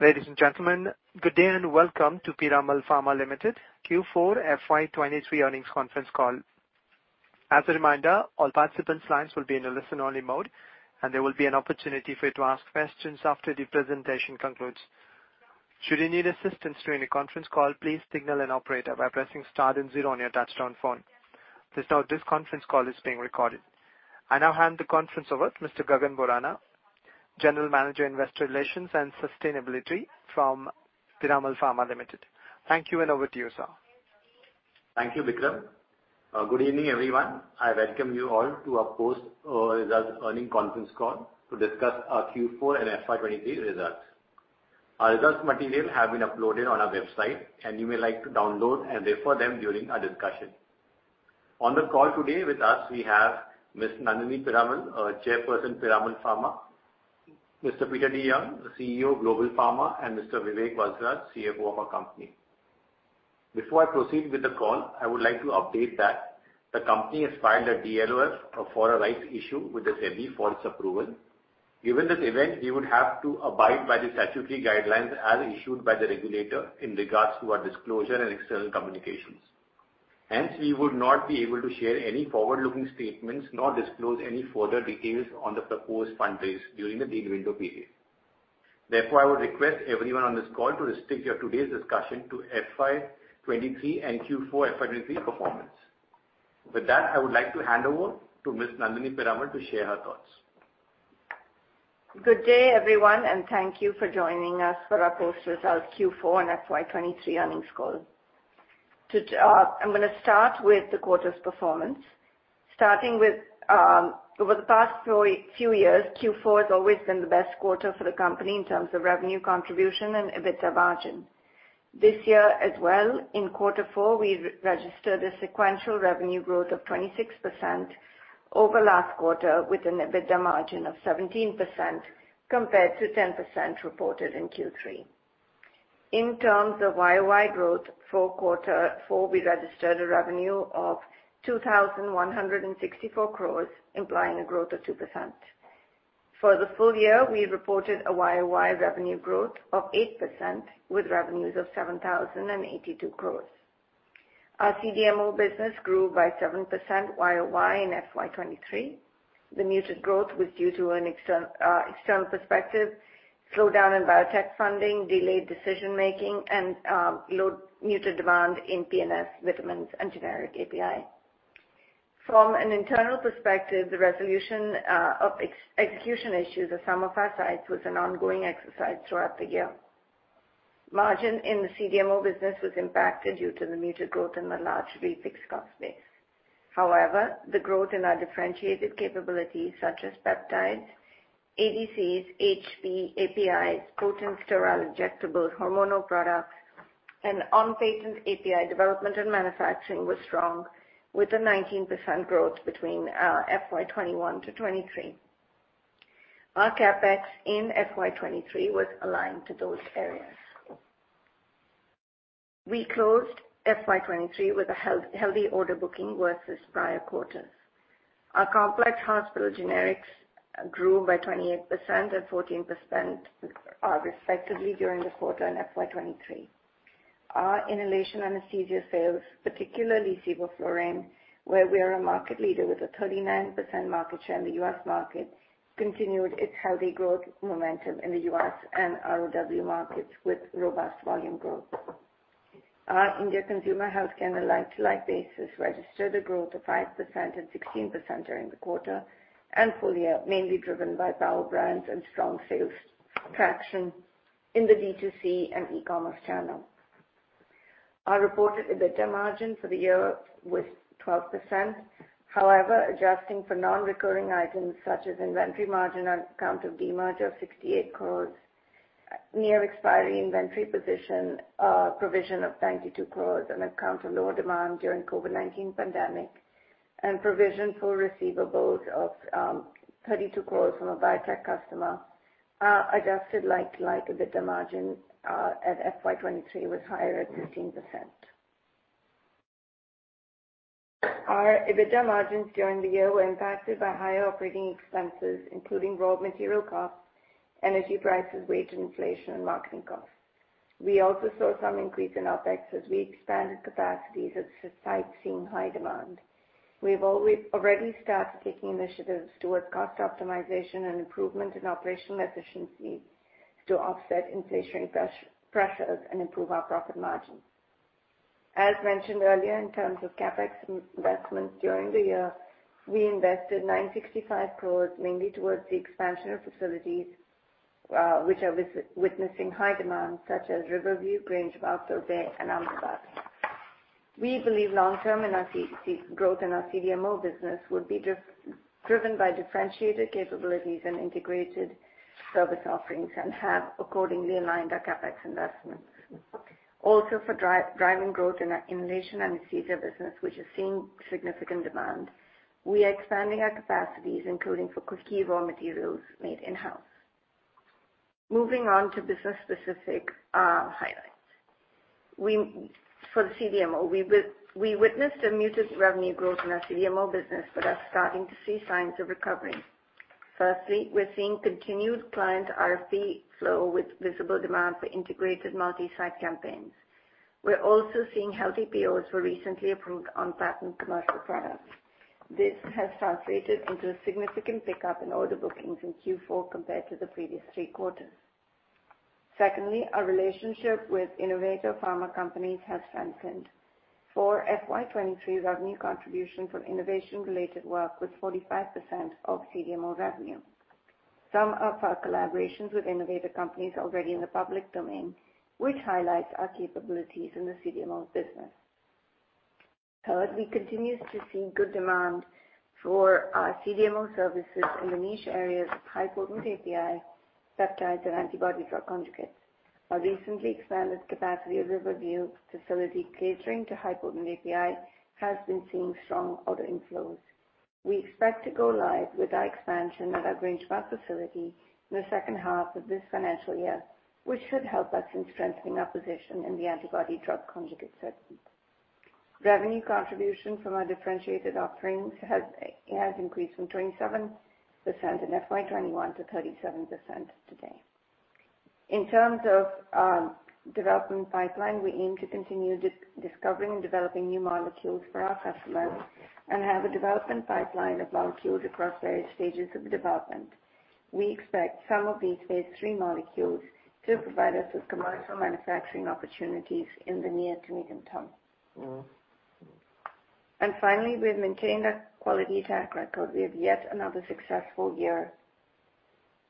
Ladies and gentlemen, good day and welcome to Piramal Pharma Limited, Q4 FY 2023 earnings conference call. As a reminder, all participant lines will be in a listen-only mode, and there will be an opportunity for you to ask questions after the presentation concludes. Should you need assistance during the conference call, please signal an operator by pressing star then 0 on your touch-tone phone. Please note this conference call is being recorded. I now hand the conference over to Mr. Gagan Borana, General Manager, Investor Relations and Sustainability from Piramal Pharma Limited. Thank you, and over to you, sir. Thank you, Vikram. Good evening, everyone. I welcome you all to our post results earning conference call to discuss our Q4 and FY 2023 results. Our results material have been uploaded on our website. You may like to download and refer them during our discussion. On the call today with us, we have Ms. Nandini Piramal, Chairperson, Piramal Pharma; Mr. Peter DeYoung, the CEO of Global Pharma; and Mr. Vivek Valsaraj, CFO of our company. Before I proceed with the call, I would like to update that the company has filed a DLOF for a rights issue with the SEBI for its approval. Given this event, we would have to abide by the statutory guidelines as issued by the regulator in regards to our disclosure and external communications. We would not be able to share any forward-looking statements, nor disclose any further details on the proposed fundraise during the window period. I would request everyone on this call to restrict your today's discussion to FY 23 and Q4 FY 23 performance. With that, I would like to hand over to Ms. Nandini Piramal to share her thoughts. Good day, everyone. Thank you for joining us for our post-results Q4 and FY 2023 earnings call. I'm gonna start with the quarter's performance. Starting with, over the past few years, Q4 has always been the best quarter for the company in terms of revenue contribution and EBITDA margin. This year as well, in Q4, we've registered a sequential revenue growth of 26% over last quarter, with an EBITDA margin of 17%, compared to 10% reported in Q3. In terms of YOY growth, for Q4, we registered a revenue of 2,164 crores, implying a growth of 2%. For the full year, we reported a YOY revenue growth of 8%, with revenues of 7,082 crores. Our CDMO business grew by 7% YOY in FY 2023. The muted growth was due to an external perspective, slowdown in biotech funding, delayed decision-making, and low muted demand in PNS, vitamins, and generic API. From an internal perspective, the resolution of execution issues at some of our sites was an ongoing exercise throughout the year. Margin in the CDMO business was impacted due to the muted growth and the large fixed cost base. However, the growth in our differentiated capabilities, such as peptides, ADCs, HPAPIs, potent sterile injectables, hormonal products, and on-patent API development and manufacturing was strong, with a 19% growth between FY 2021 to 2023. Our CapEx in FY 2023 was aligned to those areas. We closed FY 2023 with a healthy order booking versus prior quarters. Our complex hospital generics grew by 28% and 14% respectively during the quarter and FY 2023. Our inhalation anesthesia sales, particularly Sevoflurane, where we are a market leader with a 39% market share in the U.S. market, continued its healthy growth momentum in the U.S. and ROW markets with robust volume growth. Our India consumer health on a like-to-like basis, registered a growth of 5% and 16% during the quarter and full year, mainly driven by Power Brands and strong sales traction in the D2C and e-commerce channel. Our reported EBITDA margin for the year was 12%. Adjusting for non-recurring items such as inventory margin on account of demerger of 68 crores, near-expiring inventory position, provision of 92 crores on account of lower demand during COVID-19 pandemic, and provision for receivables of 32 crores from a biotech customer, our adjusted like-to-like EBITDA margin at FY 2023 was higher at 15%. Our EBITDA margins during the year were impacted by higher operating expenses, including raw material costs, energy prices, wage inflation, and marketing costs. We also saw some increase in OpEx as we expanded capacities at sites seeing high demand. We've already started taking initiatives towards cost optimization and improvement in operational efficiency to offset inflationary pressures and improve our profit margins. As mentioned earlier, in terms of CapEx investments during the year, we invested 965 crores, mainly towards the expansion of facilities, which are witnessing high demand, such as Riverview, Grange, Mumbai, and Ahmedabad. We believe long-term growth in our CDMO business would be driven by differentiated capabilities and integrated service offerings and have accordingly aligned our CapEx investments. For driving growth in our inhalation anesthesia business, which is seeing significant demand, we are expanding our capacities, including for key raw materials made in-house. Moving on to business-specific highlights. We, for the CDMO, we witnessed a muted revenue growth in our CDMO business, but are starting to see signs of recovery. Firstly, we're seeing continued client RFP flow with visible demand for integrated multi-site campaigns. We're also seeing healthy POs for recently approved on-patent commercial products. This has translated into a significant pickup in order bookings in Q4 compared to the previous three quarters. Our relationship with innovative pharma companies has strengthened. For FY 23, revenue contribution from innovation-related work was 45% of CDMO revenue. Some of our collaborations with innovative companies are already in the public domain, which highlights our capabilities in the CDMO business. Third, we continue to see good demand for our CDMO services in the niche areas of high-potent API, peptides, and antibody drug conjugates. Our recently expanded capacity of Riverview facility catering to high-potent API, has been seeing strong order inflows. We expect to go live with our expansion at our Greensboro facility in the second half of this financial year, which should help us in strengthening our position in the antibody drug conjugate segment. Revenue contribution from our differentiated offerings has increased from 27% in FY 2021 to 37% today. In terms of development pipeline, we aim to continue discovering and developing new molecules for our customers and have a development pipeline of molecules across various stages of development. We expect some of these phase 3 molecules to provide us with commercial manufacturing opportunities in the near to medium term. Finally, we have maintained our quality track record. We have yet another successful year,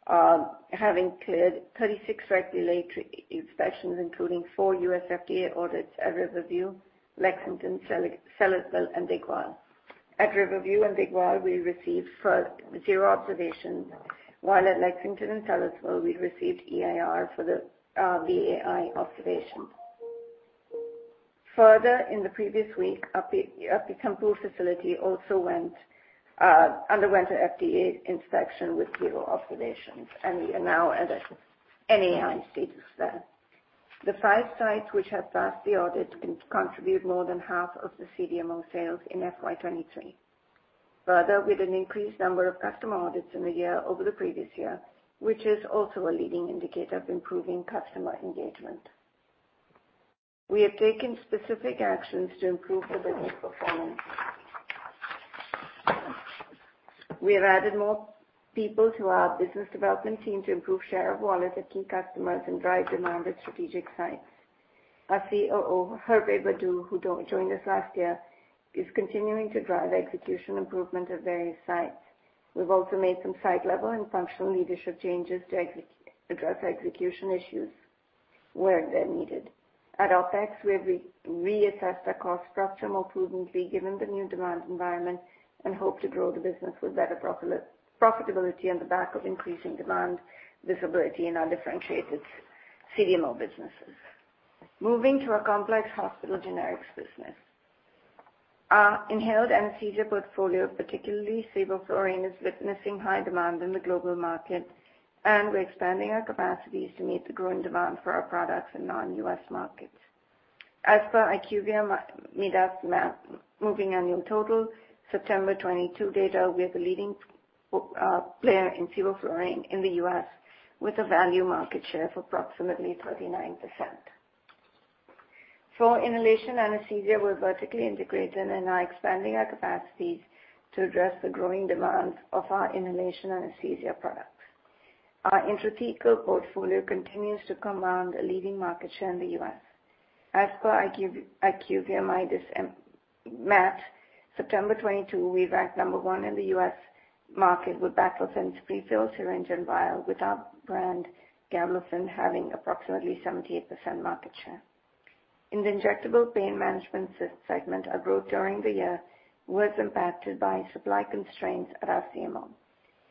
having cleared 36 regulatory inspections, including four US FDA audits at Riverview, Lexington, Sellersville, and Digwal. At Riverview and Digwal, we received 0 observations, while at Lexington and Sellersville, we received EIR for the AI observation. In the previous week, our Piscataway facility also went underwent an FDA inspection with 0 observations, and we are now at an NAI status there. The 5 sites which have passed the audit contribute more than half of the CDMO sales in FY 2023. With an increased number of customer audits in the year over the previous year, which is also a leading indicator of improving customer engagement. We have taken specific actions to improve the business performance. We have added more people to our business development team to improve share of wallet at key customers and drive demand at strategic sites. Our COO, Herve Berdou, who joined us last year, is continuing to drive execution improvement at various sites. We've also made some site-level and functional leadership changes to address execution issues where they're needed. At OpEx, we've reassessed our cost structure more prudently, given the new demand environment, and hope to grow the business with better profitability on the back of increasing demand visibility in our differentiated CDMO businesses. Moving to our Complex Hospital Generics business. Our inhaled anesthesia portfolio, particularly sevoflurane, is witnessing high demand in the global market, and we're expanding our capacities to meet the growing demand for our products in non-U.S. markets. As per IQVIA MAT, moving annual total, September 2022 data, we are the leading player in sevoflurane in the US, with a value market share of approximately 39%. We're vertically integrated and are expanding our capacities to address the growing demands of our inhalation anesthesia products. Our intrathecal portfolio continues to command a leading market share in the US. As per IQVIA MAT, September 2022, we ranked number one in the US market with baclofen prefilled syringe and vial, with our brand, Gablofen, having approximately 78% market share. In the injectable pain management segment, our growth during the year was impacted by supply constraints at our CMO.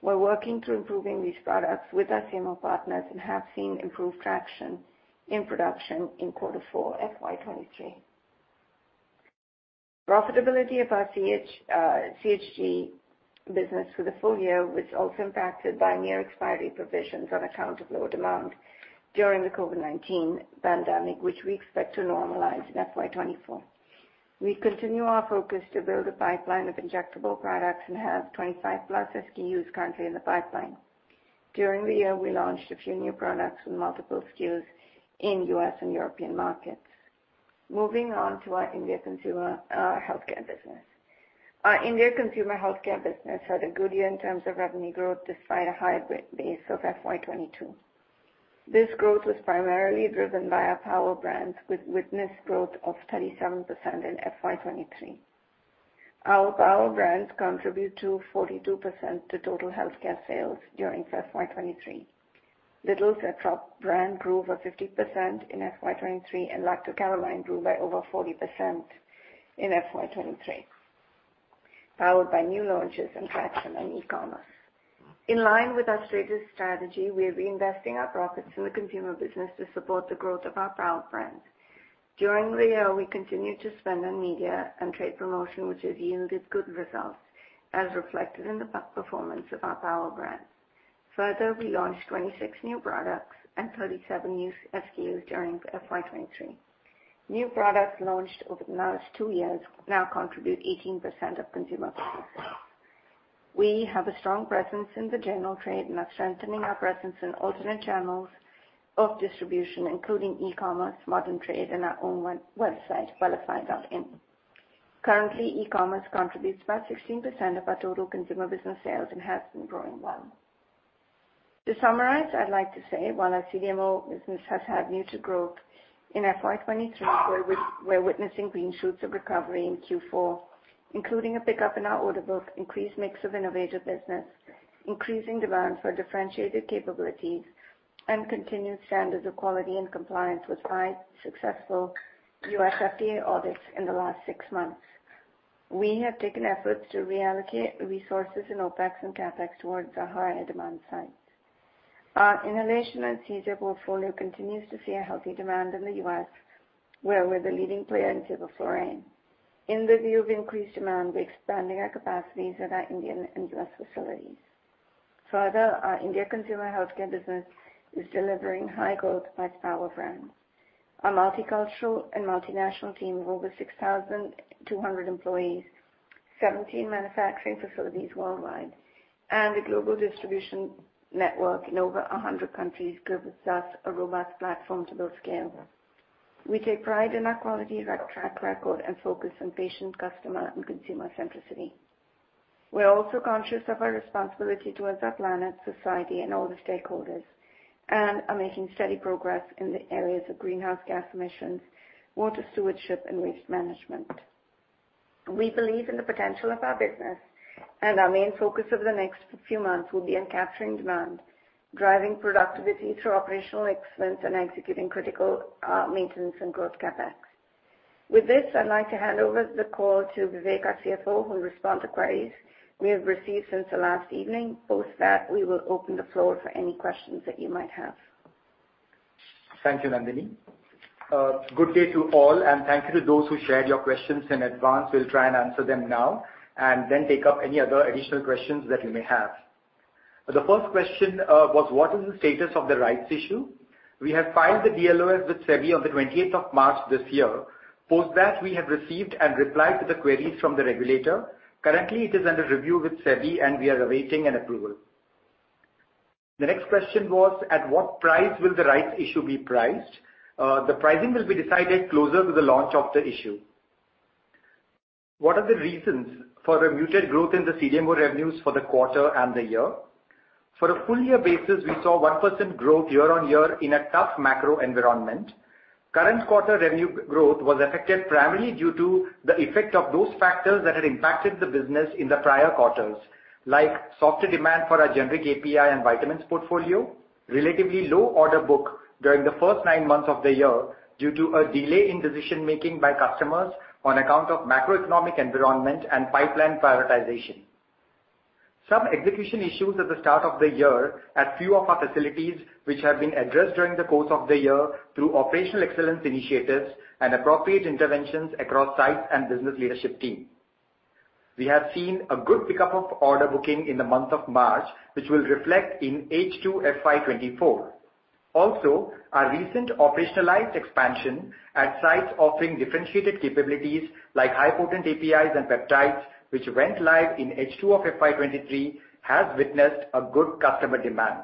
We're working to improving these products with our CMO partners and have seen improved traction in production in Q4, FY 2023. Profitability of our CH CHG business for the full year was also impacted by near expiry provisions on account of lower demand during the COVID-19 pandemic, which we expect to normalize in FY 2024. We continue our focus to build a pipeline of injectable products and have 25 plus SKUs currently in the pipeline. During the year, we launched a few new products with multiple SKUs in U.S. and European markets. Moving on to our India Consumer Healthcare business. Our India Consumer Healthcare business had a good year in terms of revenue growth, despite a high growth base of FY 2022. This growth was primarily driven by our Power Brands, which witnessed growth of 37% in FY 2023. Our Power Brands contribute to 42% to total healthcare sales during FY 2023. Little's brand grew over 50% in FY 2023, and Lacto Calamine grew by over 40% in FY 2023, powered by new launches and traction in e-commerce. In line with our strategic strategy, we are reinvesting our profits in the consumer business to support the growth of our Power Brands. During the year, we continued to spend on media and trade promotion, which has yielded good results, as reflected in the performance of our Power Brands. Further, we launched 26 new products and 37 new SKUs during FY 2023. New products launched over the last two years now contribute 18% of consumer business. We have a strong presence in the general trade and are strengthening our presence in alternate channels of distribution, including e-commerce, modern trade, and our own website, Wellify.in. Currently, e-commerce contributes about 16% of our total consumer business sales and has been growing well. To summarize, I'd like to say while our CDMO business has had muted growth in FY 2023, we're witnessing green shoots of recovery in Q4, including a pickup in our order book, increased mix of innovative business, increasing demand for differentiated capabilities, and continued standards of quality and compliance with five successful US FDA audits in the last six months. We have taken efforts to reallocate resources in OpEx and CapEx towards our higher demand sites. Our inhalation and seizure portfolio continues to see a healthy demand in the US, where we're the leading player in sevoflurane. In the view of increased demand, we're expanding our capacities at our Indian and US facilities. Our India consumer healthcare business is delivering high growth by Power Brand. Our multicultural and multinational team of over 6,200 employees, 17 manufacturing facilities worldwide, and a global distribution network in over 100 countries gives us a robust platform to build scale. We take pride in our quality, track record, and focus on patient, customer, and consumer centricity. We are also conscious of our responsibility towards our planet, society, and all the stakeholders, and are making steady progress in the areas of greenhouse gas emissions, water stewardship, and waste management. We believe in the potential of our business, and our main focus over the next few months will be on capturing demand, driving productivity through operational excellence, and executing critical maintenance and growth CapEx. With this, I'd like to hand over the call to Vivek, our CFO, who will respond to queries we have received since the last evening. Post that, we will open the floor for any questions that you might have. Thank you, Nandini. Good day to all, and thank you to those who shared your questions in advance. We'll try and answer them now and then take up any other additional questions that you may have. The first question was: "What is the status of the rights issue?" We have filed the DLOF with SEBI on the 20th of March this year. We have received and replied to the queries from the regulator. Currently, it is under review with SEBI, and we are awaiting an approval. The next question was: "At what price will the rights issue be priced?" The pricing will be decided closer to the launch of the issue. "What are the reasons for the muted growth in the CDMO revenues for the quarter and the year?" For a full year basis, we saw 1% growth year-on-year in a tough macro environment. Current quarter revenue growth was affected primarily due to the effect of those factors that had impacted the business in the prior quarters, like softer demand for our generic API and vitamins portfolio, relatively low order book during the first nine months of the year due to a delay in decision-making by customers on account of macroeconomic environment and pipeline prioritization. Some execution issues at the start of the year at few of our facilities, which have been addressed during the course of the year through operational excellence initiatives and appropriate interventions across sites and business leadership team. We have seen a good pickup of order booking in the month of March, which will reflect in H2 FY 2024. Also, our recent operationalized expansion at sites offering differentiated capabilities like high-potent APIs and peptides, which went live in H2 of FY 2023, has witnessed a good customer demand.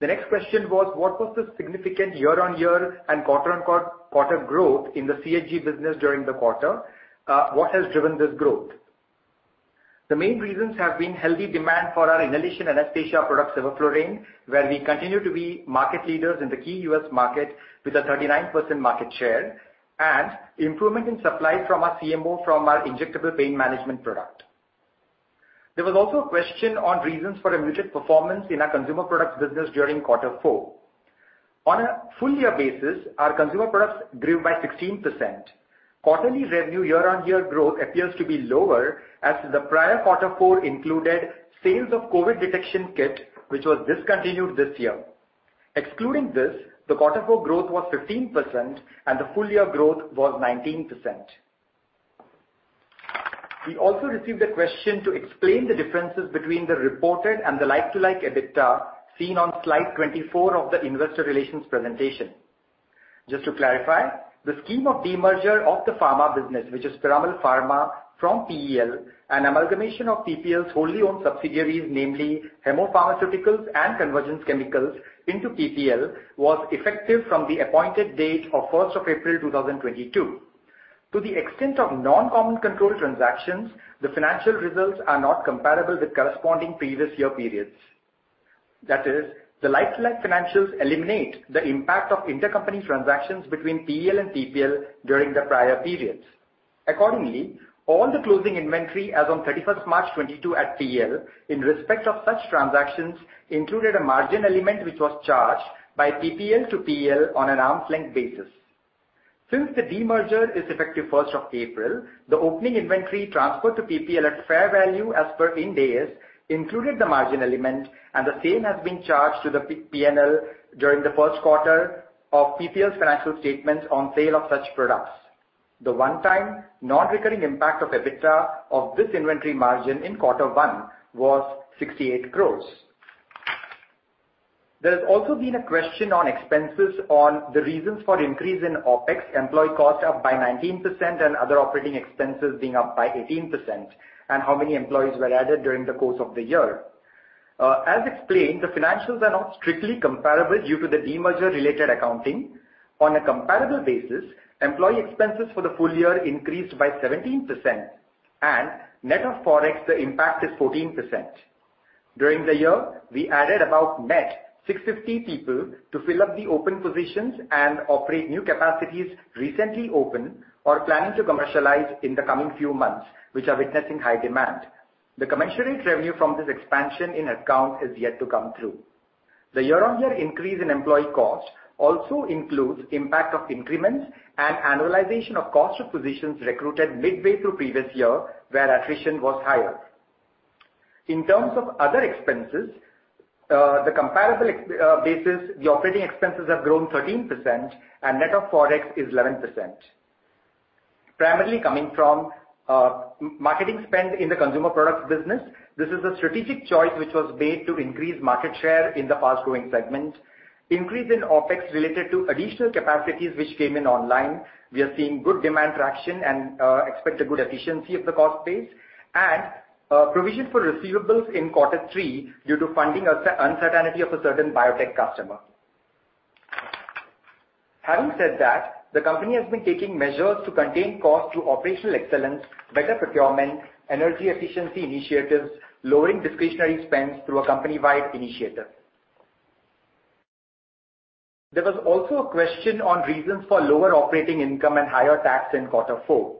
The next question was: "What was the significant year-on-year and quarter-on-quarter growth in the CHG business during the quarter? What has driven this growth?" The main reasons have been healthy demand for our inhalation anesthesia product, Sevoflurane, where we continue to be market leaders in the key U.S. market with a 39% market share, and improvement in supply from our CMO from our injectable pain management product. There was also a question on reasons for a muted performance in our consumer products business during Q4. On a full year basis, our consumer products grew by 16%. Quarterly revenue year-on-year growth appears to be lower, as the prior Q4 included sales of COVID detection kit, which was discontinued this year. Excluding this, the Q4 growth was 15%, and the full year growth was 19%. We also received a question to explain the differences between the reported and the like-to-like EBITDA seen on slide 24 of the investor relations presentation. Just to clarify, the scheme of demerger of the pharma business, which is Piramal Pharma from PEL, and amalgamation of PPL's wholly owned subsidiaries, namely, Hemmo Pharmaceuticals and Convergence Chemicals into PPL, was effective from the appointed date of first of April, 2022. To the extent of non-common control transactions, the financial results are not comparable with corresponding previous year periods. That is, the like-to-like financials eliminate the impact of intercompany transactions between PEL and PPL during the prior periods. Accordingly, all the closing inventory as on 31st March 2022 at PEL, in respect of such transactions, included a margin element, which was charged by PPL to PEL on an arm's length basis. Since the demerger is effective first of April, the opening inventory transferred to PPL at fair value as per IND AS, included the margin element, and the same has been charged to the PNL during the first quarter of PPL's financial statements on sale of such products. The one-time non-recurring impact of EBITDA of this inventory margin in quarter one was 68 crores. There has also been a question on expenses on the reasons for increase in OpEx, employee cost up by 19% and other operating expenses being up by 18%, and how many employees were added during the course of the year. As explained, the financials are not strictly comparable due to the demerger-related accounting. On a comparable basis, employee expenses for the full year increased by 17% and net of Forex, the impact is 14%. During the year, we added about net 650 people to fill up the open positions and operate new capacities recently open or planning to commercialize in the coming few months, which are witnessing high demand. The commensurate revenue from this expansion in headcount is yet to come through. The year-on-year increase in employee costs also includes impact of increments and annualization of cost of positions recruited midway through previous year, where attrition was higher. In terms of other expenses, the comparable basis, the operating expenses have grown 13% and net of Forex is 11%. Primarily coming from marketing spend in the consumer products business. This is a strategic choice, which was made to increase market share in the fast-growing segment. Increase in OpEx related to additional capacities, which came in online. We are seeing good demand traction and expect a good efficiency of the cost base and provision for receivables in Q3 due to funding uncertainty of a certain biotech customer. Having said that, the company has been taking measures to contain costs through operational excellence, better procurement, energy efficiency initiatives, lowering discretionary spends through a company-wide initiative. There was also a question on reasons for lower operating income and higher tax in Q4.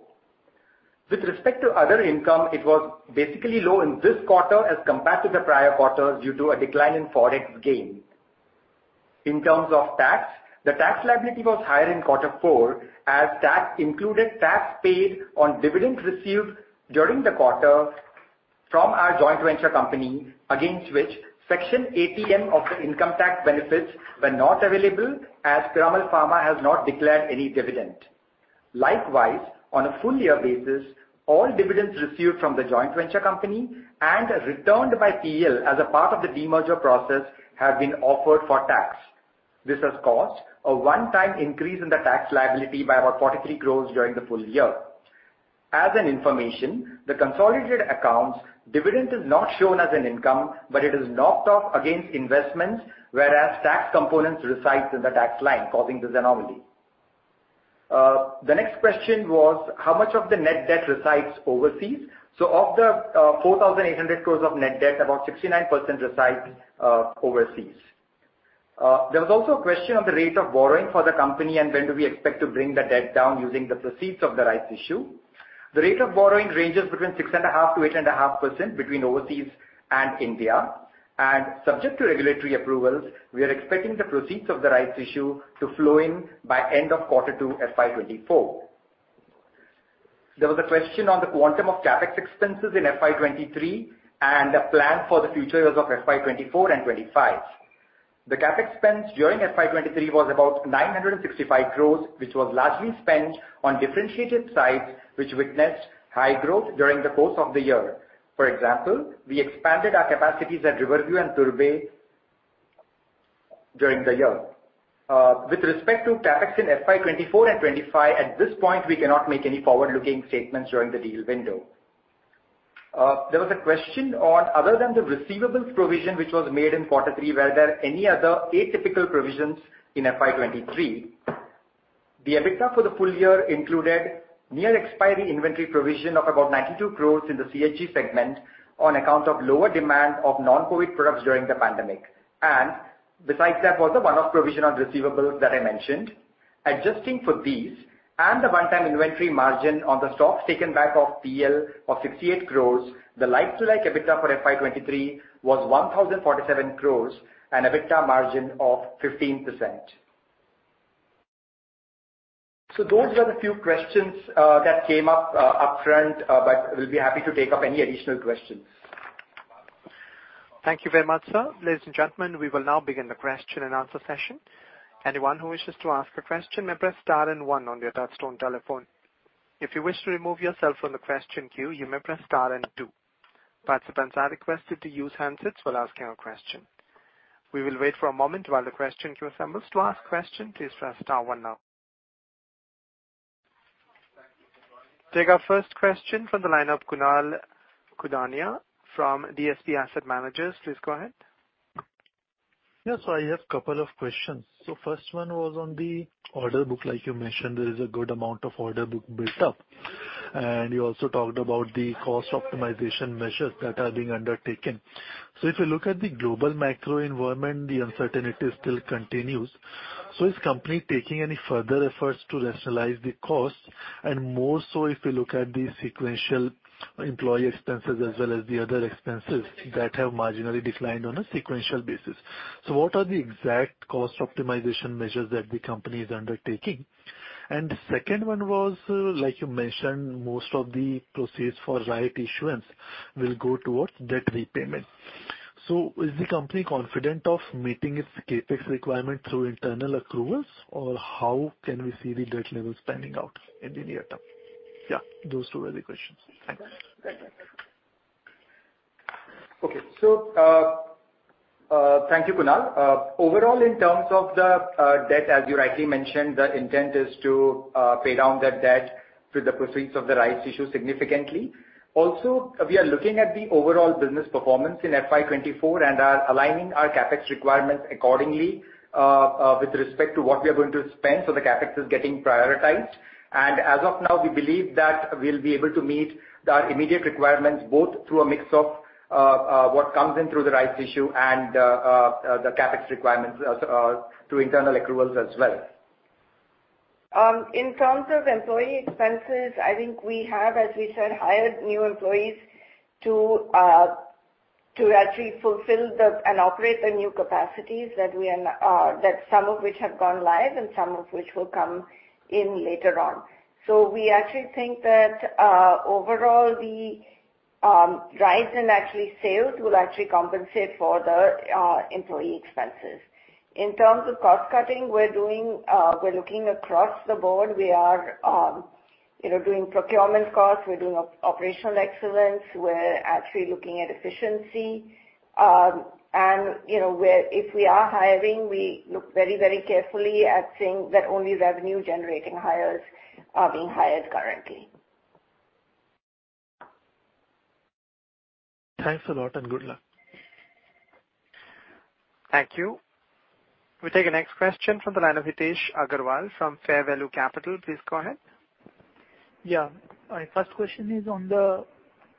With respect to other income, it was basically low in this quarter as compared to the prior quarter due to a decline in Forex gain. In terms of tax, the tax liability was higher in Q4, as tax included tax paid on dividends received during the quarter from our joint venture company, against which Section ATM of the income tax benefits were not available, as Piramal Pharma has not declared any dividend. Likewise, on a full year basis, all dividends received from the joint venture company and returned by PL as a part of the demerger process have been offered for tax. This has caused a one-time increase in the tax liability by about 43 crores during the full year. As an information, the consolidated accounts, dividend is not shown as an income, but it is knocked off against investments, whereas tax components reside in the tax line, causing this anomaly. The next question was: How much of the net debt resides overseas? Of the 4,800 crores of net debt, about 69% resides overseas. There was also a question on the rate of borrowing for the company, and when do we expect to bring the debt down using the proceeds of the rights issue? The rate of borrowing ranges between 6.5%-8.5% between overseas and India, and subject to regulatory approvals, we are expecting the proceeds of the rights issue to flow in by end of Q2, FY24. There was a question on the quantum of CapEx expenses in FY23 and the plan for the future years of FY24 and FY25. The CapEx spends during FY23 was about 965 crores, which was largely spent on differentiated sites, which witnessed high growth during the course of the year. For example, we expanded our capacities at Riverview and Turbhe during the year. With respect to CapEx in FY 2024 and 2025, at this point, we cannot make any forward-looking statements during the deal window. There was a question on, other than the receivables provision, which was made in Q3, were there any other atypical provisions in FY 2023? The EBITDA for the full year included near-expiry inventory provision of about 92 crores in the CHG segment on account of lower demand of non-COVID products during the pandemic, and besides that, was the one-off provision on receivables that I mentioned. Adjusting for these and the one-time inventory margin on the stocks taken back off PL of 68 crores, the like-to-like EBITDA for FY 2023 was 1,047 crores and EBITDA margin of 15%. Those are the few questions that came up upfront, but we'll be happy to take up any additional questions. Thank you very much, sir. Ladies and gentlemen, we will now begin the question and answer session. Anyone who wishes to ask a question may press star and one on your touch-tone telephone. If you wish to remove yourself from the question queue, you may press star and two. Participants are requested to use handsets while asking a question. We will wait for a moment while the question queue assembles. To ask question, please press star one now. Take our first question from the line of Kunal Khudania from DSP Asset Managers. Please go ahead. I have a couple of questions. First one was on the order book. Like you mentioned, there is a good amount of order book built up, and you also talked about the cost optimization measures that are being undertaken. If you look at the global macro environment, the uncertainty still continues. Is company taking any further efforts to rationalize the costs? More so, if you look at the sequential employee expenses as well as the other expenses that have marginally declined on a sequential basis. What are the exact cost optimization measures that the company is undertaking? The second one was, like you mentioned, most of the proceeds for rights issuance will go towards debt repayment. Is the company confident of meeting its CapEx requirement through internal accruals, or how can we see the debt levels panning out in the near term? Yeah, those two were the questions. Thanks. Okay. Thank you, Kunal. Overall, in terms of the debt, as you rightly mentioned, the intent is to pay down that debt through the proceeds of the rights issue significantly. We are looking at the overall business performance in FY 2024 and are aligning our CapEx requirements accordingly, with respect to what we are going to spend, so the CapEx is getting prioritized. As of now, we believe that we'll be able to meet the immediate requirements, both through a mix of what comes in through the rights issue and the CapEx requirements through internal accruals as well. In terms of employee expenses, I think we have, as we said, hired new employees to actually fulfill the, and operate the new capacities that some of which have gone live and some of which will come in later on. We actually think that overall, the rise in actually sales will actually compensate for the employee expenses. In terms of cost cutting, we're doing, we're looking across the board. We are, you know, doing procurement costs, we're doing operational excellence, we're actually looking at efficiency. You know, if we are hiring, we look very, very carefully at seeing that only revenue-generating hires are being hired currently. Thanks a lot, and good luck. Thank you. We take the next question from the line of Hitesh Agarwal from Fair Value Capital. Please go ahead. My first question is on the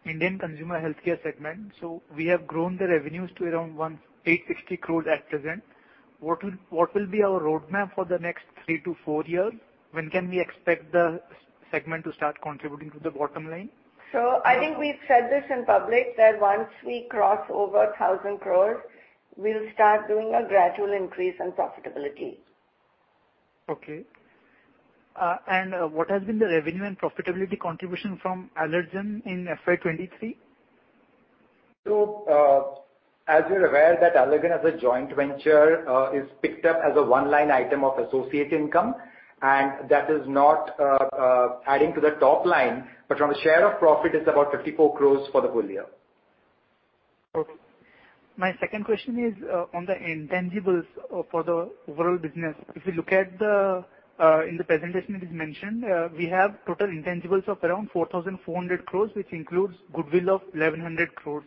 Indian consumer healthcare segment. We have grown the revenues to around 1,860 crores at present. What will be our roadmap for the next three to four years? When can we expect the segment to start contributing to the bottom line? I think we've said this in public, that once we cross over 1,000 crore, we'll start doing a gradual increase in profitability. What has been the revenue and profitability contribution from Allergan in FY 23? As you're aware, that Allergan as a joint venture is picked up as a one-line item of associate income. That is not adding to the top line, but from a share of profit, it's about 54 crores for the whole year. Okay. My second question is on the intangibles for the overall business. If you look at the in the presentation, it is mentioned, we have total intangibles of around 4,400 crores, which includes goodwill of 1,100 crores.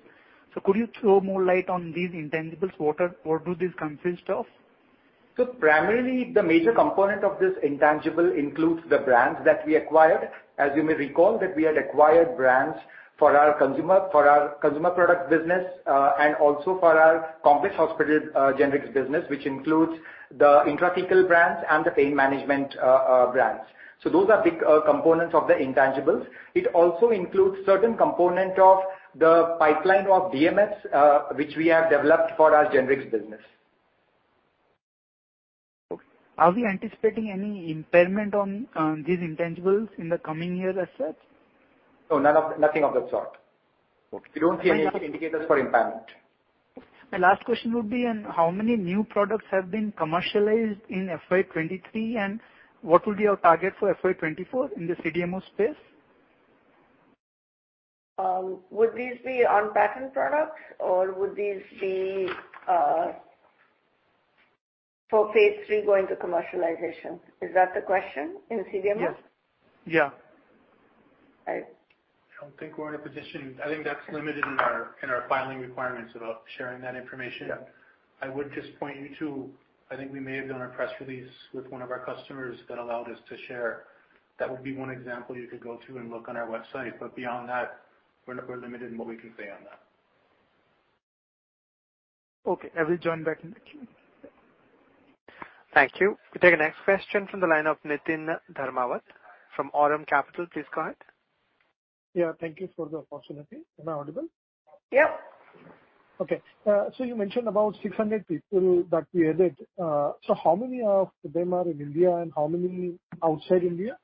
Could you throw more light on these intangibles? What do these consist of? Primarily, the major component of this intangible includes the brands that we acquired. As you may recall, that we had acquired brands for our consumer product business, and also for our complex hospital generics business, which includes the intrathecal brands and the pain management brands. Those are big components of the intangibles. It also includes certain component of the pipeline of DMS, which we have developed for our generics business. Are we anticipating any impairment on these intangibles in the coming year as such? Nothing of that sort. Okay. We don't see any indicators for impairment. My last question would be on how many new products have been commercialized in FY 23, and what will be our target for FY 24 in the CDMO space? Would these be on patent products, or would these be for phase 3 going to commercialization? Is that the question in CDMO? Yes. Yeah. Right. I don't think we're in a position. I think that's limited in our, in our filing requirements about sharing that information. Yeah. I would just point you to, I think we may have done a press release with one of our customers that allowed us to share. That would be one example you could go to and look on our website. Beyond that, we're limited in what we can say on that. Okay. I will join back in the queue. Thank you. We take the next question from the line of Niteen Dharmawat from Aurum Capital. Please go ahead. Yeah, thank you for the opportunity. Am I audible? Yep. Okay. You mentioned about 600 people that we added. How many of them are in India and how many outside India?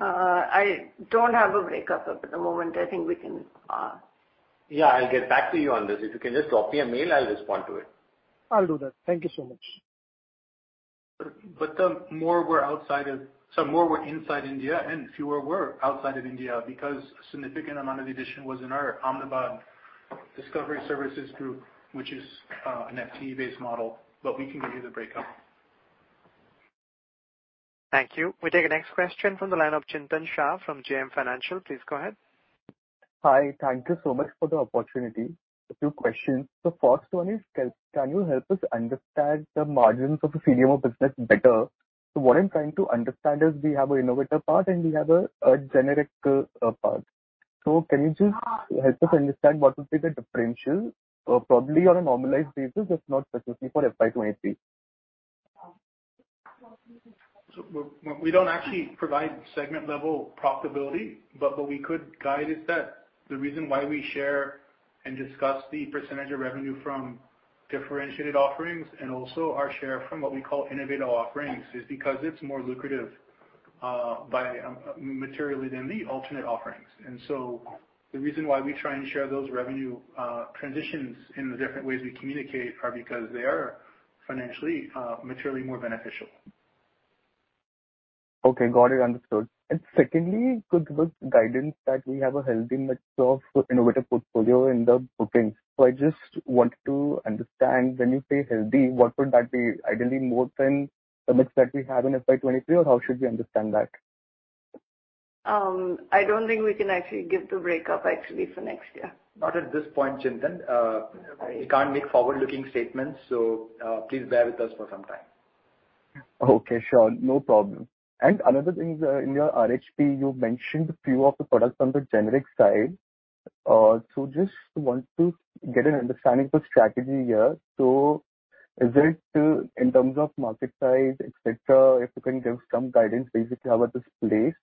I don't have a breakup at the moment. I think we can. Yeah, I'll get back to you on this. If you can just drop me a mail, I'll respond to it. I'll do that. Thank you so much. More were inside India and fewer were outside of India, because a significant amount of the addition was in our Ahmedabad discovery services group, which is an FTE-based model, but we can give you the breakout. Thank you. We take the next question from the line of Chintan Shah from JM Financial. Please go ahead. Hi, thank you so much for the opportunity. A few questions. The first one is, can you help us understand the margins of the CDMO business better? What I'm trying to understand is we have an innovator part, and we have a generic part. Can you just help us understand what would be the differential, probably on a normalized basis, if not specifically for FY 23? We don't actually provide segment-level profitability, but what we could guide is that the reason why we share and discuss the percentage of revenue from differentiated offerings and also our share from what we call innovative offerings, is because it's more lucrative materially than the alternate offerings. The reason why we try and share those revenue transitions in the different ways we communicate are because they are financially materially more beneficial. Okay, got it, understood. Secondly, with the guidance that we have a healthy mix of innovative portfolio in the bookings. I just want to understand, when you say healthy, what would that be? Ideally, more than the mix that we have in FY 2023, or how should we understand that? I don't think we can actually give the breakup actually for next year. Not at this point, Chintan. We can't make forward-looking statements, please bear with us for some time. Okay, sure. No problem. Another thing, in your RHP, you mentioned a few of the products on the generic side. Just want to get an understanding of the strategy here. Is it, in terms of market size, et cetera, if you can give some guidance basically about this place?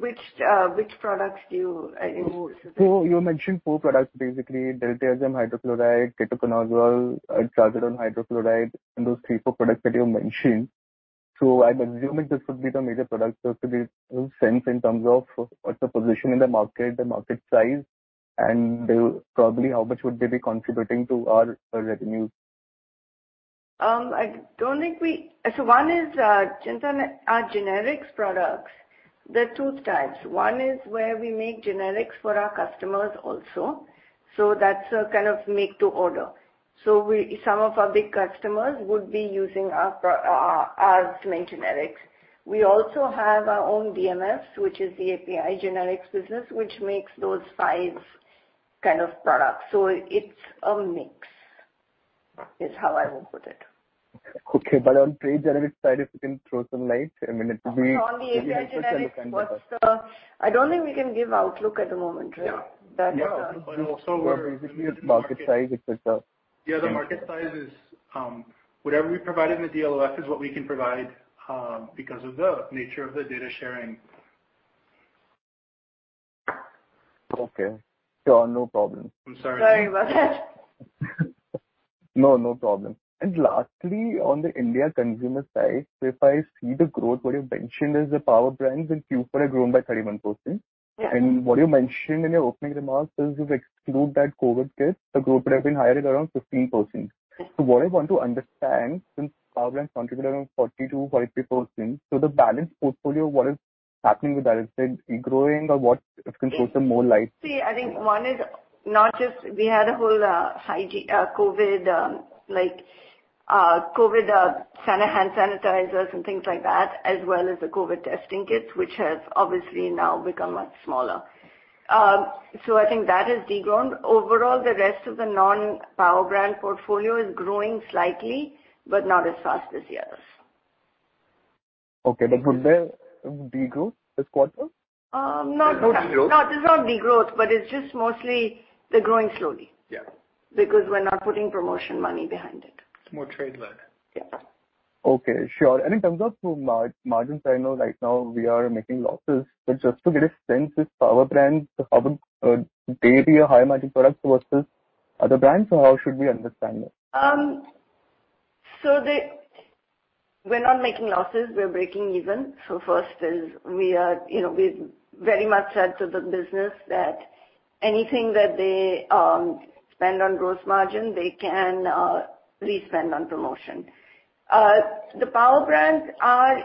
Which products do you involve? You mentioned four products, basically, diltiazem hydrochloride, ketoconazole, trazodone hydrochloride, and those four products that you mentioned. I'm assuming this would be the major products to get sense in terms of what's the position in the market, the market size, and probably how much would they be contributing to our revenue? One is, Chintan, our generics products, there are 2 types. One is where we make generics for our customers also, so that's a kind of make to order. We, some of our big customers would be using our as main generics. We also have our own DMS, which is the API generics business, which makes those 5 kind of products. It's a mix, is how I would put it. Okay. On trade generic side, if you can throw some light, I mean. On the API generics, I don't think we can give outlook at the moment, right? Yeah. That's- Yeah, also. Basically, the market size, et cetera. The market size is, whatever we provided in the DLOF is what we can provide, because of the nature of the data sharing. Okay, sure. No problem. I'm sorry. Sorry about that. No, no problem. Lastly, on the India consumer side, if I see the growth, what you've mentioned is the Power Brands and Q4 have grown by 31%. Yes. What you mentioned in your opening remarks is, if you exclude that COVID case, the growth would have been higher at around 15%. What I want to understand, since Power Brands contribute around 42%-43%, the balance portfolio, what is happening with that? Is it growing or what if you can throw some more light? We had a whole hygiene COVID, like COVID hand sanitizers and things like that, as well as the COVID testing kits, which has obviously now become much smaller. I think that has degrown. Overall, the rest of the non-Power Brand portfolio is growing slightly, but not as fast as the others. Okay, would they degrow this quarter? Um, not- There's no degrowth. No, this is not degrowth, but it's just mostly they're growing slowly. Yeah. We're not putting promotion money behind it. It's more trade-led. Yeah. Okay, sure. In terms of margins, I know right now we are making losses, but just to get a sense, this Power Brands, how the daily or high-margin products versus other brands, how should we understand this? We're not making losses, we're breaking even. First is we are, you know, we very much said to the business that anything that they spend on gross margin, they can re-spend on promotion. The Power Brands are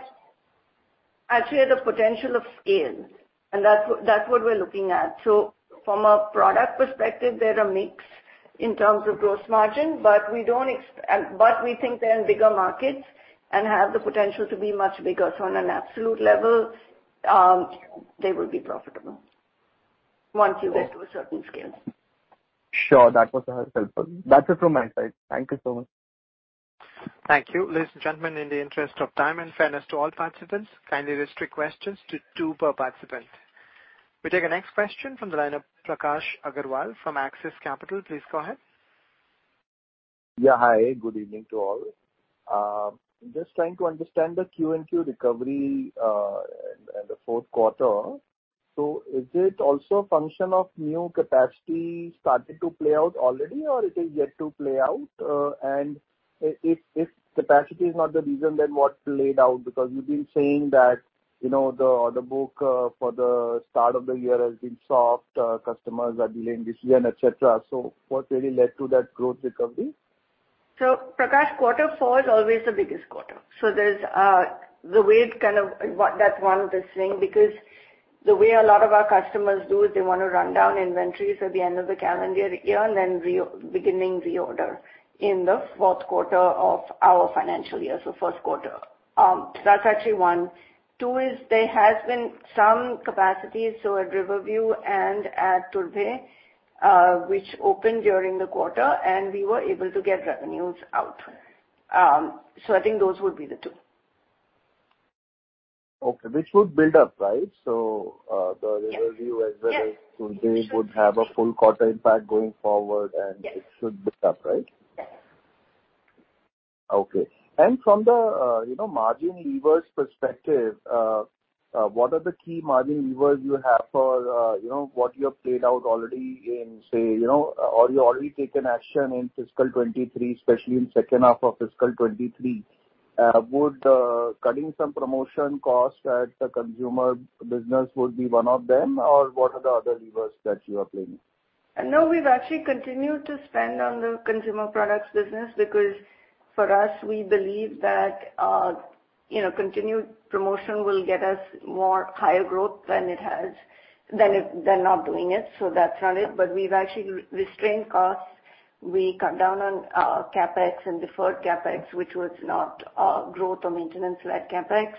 actually the potential of scale, and that's what we're looking at. From a product perspective, they're a mix in terms of gross margin, but we think they're in bigger markets and have the potential to be much bigger. On an absolute level, they will be profitable once you get to a certain scale. Sure. That was helpful. That's it from my side. Thank you so much. Thank you. Ladies and gentlemen, in the interest of time and fairness to all participants, kindly restrict questions to two per participant. We take the next question from the line of Prakash Agarwal from Axis Capital. Please go ahead. Hi. Good evening to all. Just trying to understand the QoQ recovery, and the Q4. Is it also a function of new capacity starting to play out already, or it is yet to play out? If capacity is not the reason, then what played out? You've been saying that, you know, the order book for the start of the year has been soft, customers are delaying decision, et cetera. What really led to that growth recovery? Prakash, Q4 is always the biggest quarter. There's the way it's kind of, what that one, this thing, because the way a lot of our customers do is they want to run down inventories at the end of the calendar year and then beginning reorder in the Q4 of our financial year, so first quarter. That's actually 1. 2 is there has been some capacity, so at Riverview and at Turbhe, which opened during the quarter, and we were able to get revenues out. I think those would be the two. Okay. This would build up, right? Yes. Riverview as well as. Yes. Turbhe would have a full quarter impact going forward. Yes. It should build up, right? Yes. Okay. From the, you know, margin levers perspective, what are the key margin levers you have for, you know, what you have played out already in, say, you know, or you've already taken action in fiscal 2023, especially in second half of fiscal 2023? Would cutting some promotion costs at the consumer business would be one of them, or what are the other levers that you are playing? No, we've actually continued to spend on the consumer products business, because for us, we believe that, you know, continued promotion will get us more higher growth than not doing it, so that's on it. We've actually re- restrained costs. We cut down on CapEx and deferred CapEx, which was not growth or maintenance-led CapEx.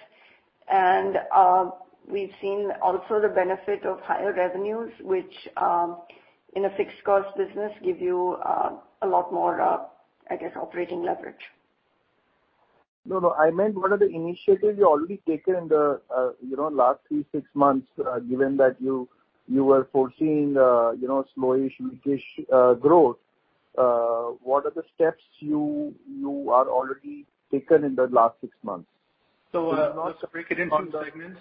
We've seen also the benefit of higher revenues, which, in a fixed cost business, give you a lot more, I guess, operating leverage. No, no, I meant what are the initiatives you've already taken in the, you know, last 3, 6 months, given that you were foreseeing, you know, slowish, weakish, growth, what are the steps you are already taken in the last 6 months? Let's break it into segments.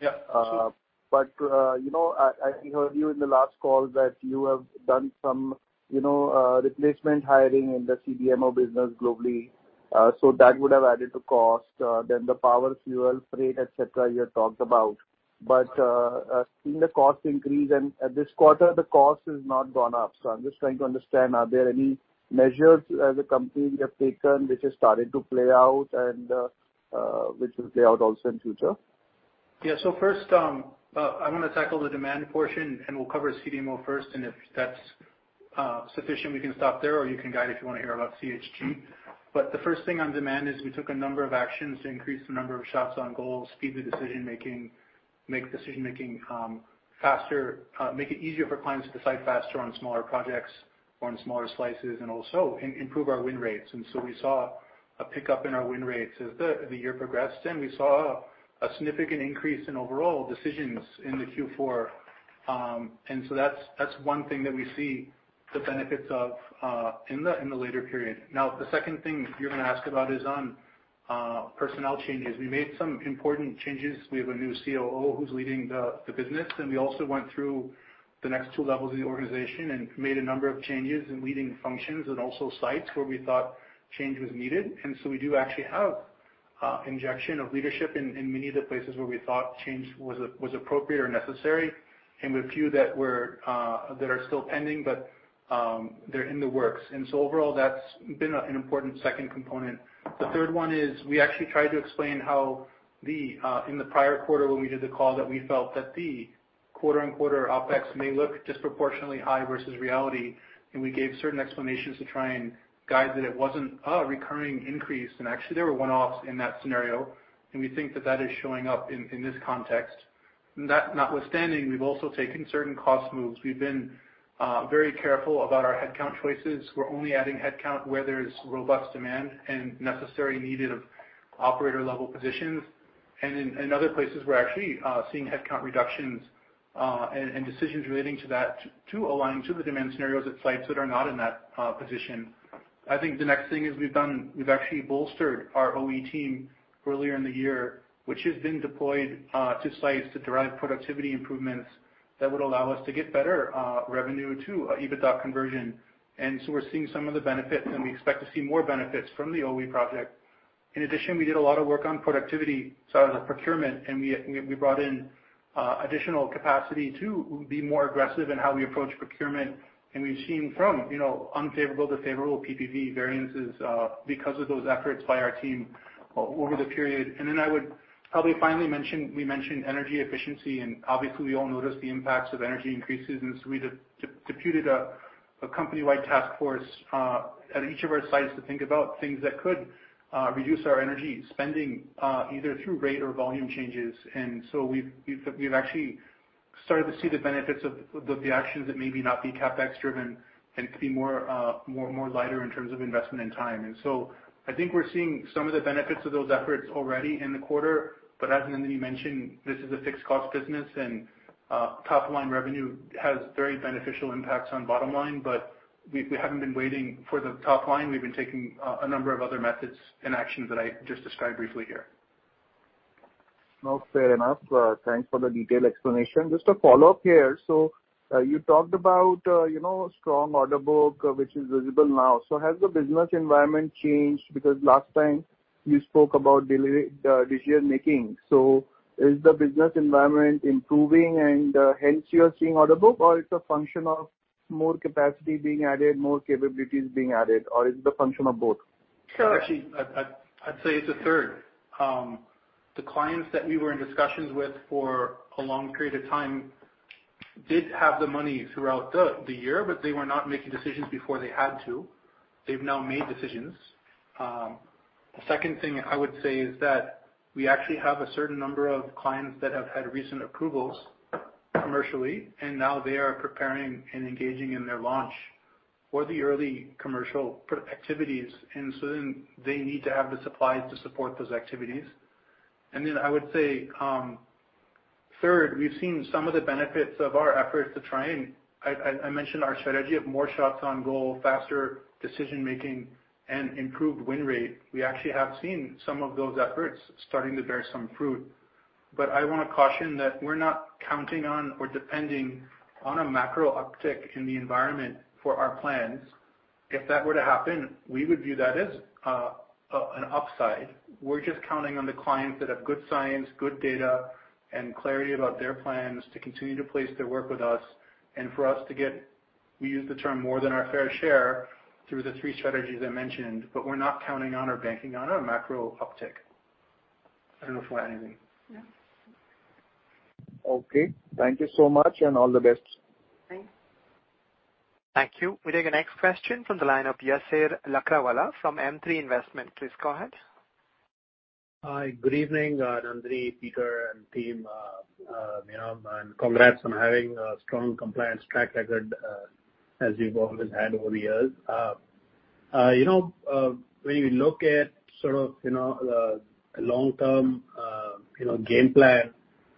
Yeah. You know, I heard you in the last call that you have done some, you know, replacement hiring in the CDMO business globally. That would have added to cost, then the power, fuel, freight, et cetera, you had talked about. Seeing the cost increase, and at this quarter, the cost has not gone up. I'm just trying to understand, are there any measures as a company you have taken, which has started to play out and, which will play out also in future? Yeah. First, I want to tackle the demand portion, and we'll cover CDMO first, and if that's sufficient, we can stop there, or you can guide if you want to hear about CHG. The first thing on demand is we took a number of actions to increase the number of shots on goal, speed the decision-making, make decision-making faster, make it easier for clients to decide faster on smaller projects or in smaller slices, and also improve our win rates. We saw a pickup in our win rates as the year progressed, and we saw a significant increase in overall decisions in the Q4. That's one thing that we see the benefits of in the later period. The second thing you're going to ask about is on personnel changes. We made some important changes. We have a new COO who's leading the business, and we also went through the next two levels of the organization and made a number of changes in leading functions and also sites where we thought change was needed. We do actually have injection of leadership in many of the places where we thought change was appropriate or necessary, and a few that were that are still pending, but they're in the works. Overall, that's been an important second component. The third one is we actually tried to explain how in the prior quarter, when we did the call, that we felt that the quarter-on-quarter OpEx may look disproportionately high versus reality. We gave certain explanations to try and guide that it wasn't a recurring increase. Actually, there were one-offs in that scenario. We think that that is showing up in this context. That notwithstanding, we've also taken certain cost moves. We've been very careful about our headcount choices. We're only adding headcount where there is robust demand and necessary needed of operator-level positions. In other places, we're actually seeing headcount reductions and decisions relating to that, to align to the demand scenarios at sites that are not in that position. I think the next thing is we've actually bolstered our OE team earlier in the year, which has been deployed to sites to derive productivity improvements that would allow us to get better revenue to EBITDA conversion. We're seeing some of the benefits, and we expect to see more benefits from the OE project. In addition, we did a lot of work on productivity side of the procurement, and we brought in additional capacity to be more aggressive in how we approach procurement. We've seen from, you know, unfavorable to favorable PPV variances because of those efforts by our team over the period. I would probably finally mention, we mentioned energy efficiency, and obviously, we all noticed the impacts of energy increases, so we deputed a company-wide task force at each of our sites to think about things that could reduce our energy spending either through rate or volume changes. We've actually started to see the benefits of the actions that may be not be CapEx driven and could be more lighter in terms of investment and time. I think we're seeing some of the benefits of those efforts already in the quarter. As Nandini mentioned, this is a fixed cost business, and top-line revenue has very beneficial impacts on bottom line, but we haven't been waiting for the top line. We've been taking a number of other methods and actions that I just described briefly here. No, fair enough. Thanks for the detailed explanation. Just a follow-up here. You talked about, you know, strong order book, which is visible now. Has the business environment changed? Because last time you spoke about delay, decision-making. Is the business environment improving and, hence you are seeing order book, or it's a function of more capacity being added, more capabilities being added, or is it the function of both? Sure. Actually, I'd say it's a third. The clients that we were in discussions with for a long period of time did have the money throughout the year, but they were not making decisions before they had to. They've now made decisions. The second thing I would say is that we actually have a certain number of clients that have had recent approvals commercially, and now they are preparing and engaging in their launch or the early commercial activities. They need to have the supplies to support those activities. I would say, Third, we've seen some of the benefits of our efforts. I mentioned our strategy of more shots on goal, faster decision-making, and improved win rate. We actually have seen some of those efforts starting to bear some fruit. I wanna caution that we're not counting on or depending on a macro uptick in the environment for our plans. If that were to happen, we would view that as an upside. We're just counting on the clients that have good science, good data, and clarity about their plans to continue to place their work with us and for us to get, we use the term, more than our fair share through the three strategies I mentioned, but we're not counting on or banking on a macro uptick. I don't know if you want to add anything. No. Okay, thank you so much, and all the best. Thanks. Thank you. We take the next question from the line of Yasser Lakdawala from M3 Investment. Please go ahead. Hi, good evening, Nandini, Peter, and team, you know, and congrats on having a strong compliance track record, as you've always had over the years. You know, when you look at sort of, you know, the long-term, you know, game plan,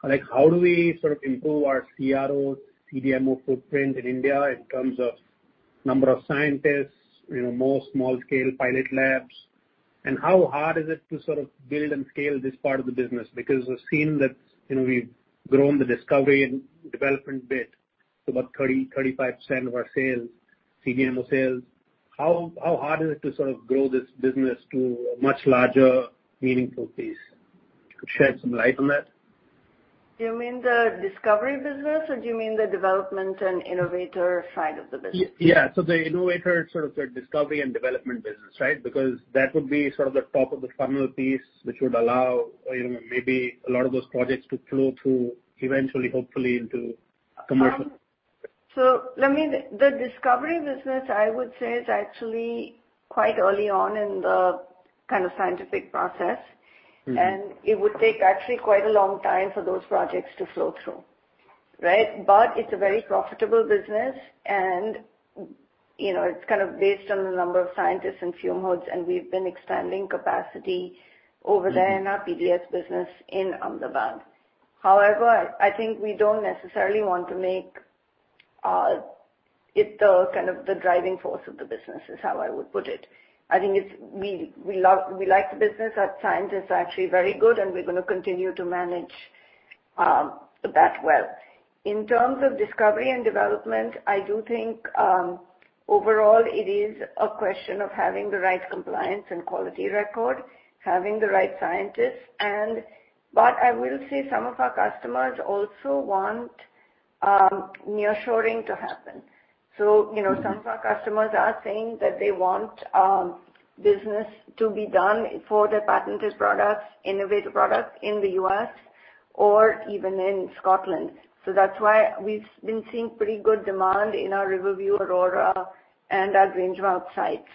like, how do we sort of improve our CRO, CDMO footprint in India in terms of number of scientists, you know, more small-scale pilot labs? How hard is it to sort of build and scale this part of the business? Because we've seen that, you know, we've grown the discovery and development bit to about 30-35% of our sales, CDMO sales. How, how hard is it to sort of grow this business to a much larger, meaningful pace? Could you shed some light on that? Do you mean the discovery business, or do you mean the development and innovator side of the business? Yeah. The innovator, sort of, the discovery and development business, right? Because that would be sort of the top-of-the-funnel piece, which would allow, you know, maybe a lot of those projects to flow through eventually, hopefully, into commercial. The discovery business, I would say, is actually quite early on in the kind of scientific process. Mm-hmm. It would take actually quite a long time for those projects to flow through, right? It's a very profitable business, and, you know, it's kind of based on the number of scientists and fume hoods, and we've been expanding capacity over there. Mm-hmm. in our PDS business in Ahmedabad. I think we don't necessarily want to make it the, kind of, the driving force of the business, is how I would put it. I think it's. We like the business. Our scientists are actually very good, and we're going to continue to manage that well. In terms of discovery and development, I do think, overall, it is a question of having the right compliance and quality record, having the right scientists, but I will say some of our customers also want nearshoring to happen. You know. Mm-hmm. some of our customers are saying that they want business to be done for their patented products, innovative products in the U.S. or even in Scotland. That's why we've been seeing pretty good demand in our Riverview, Aurora, and our Grangemouth sites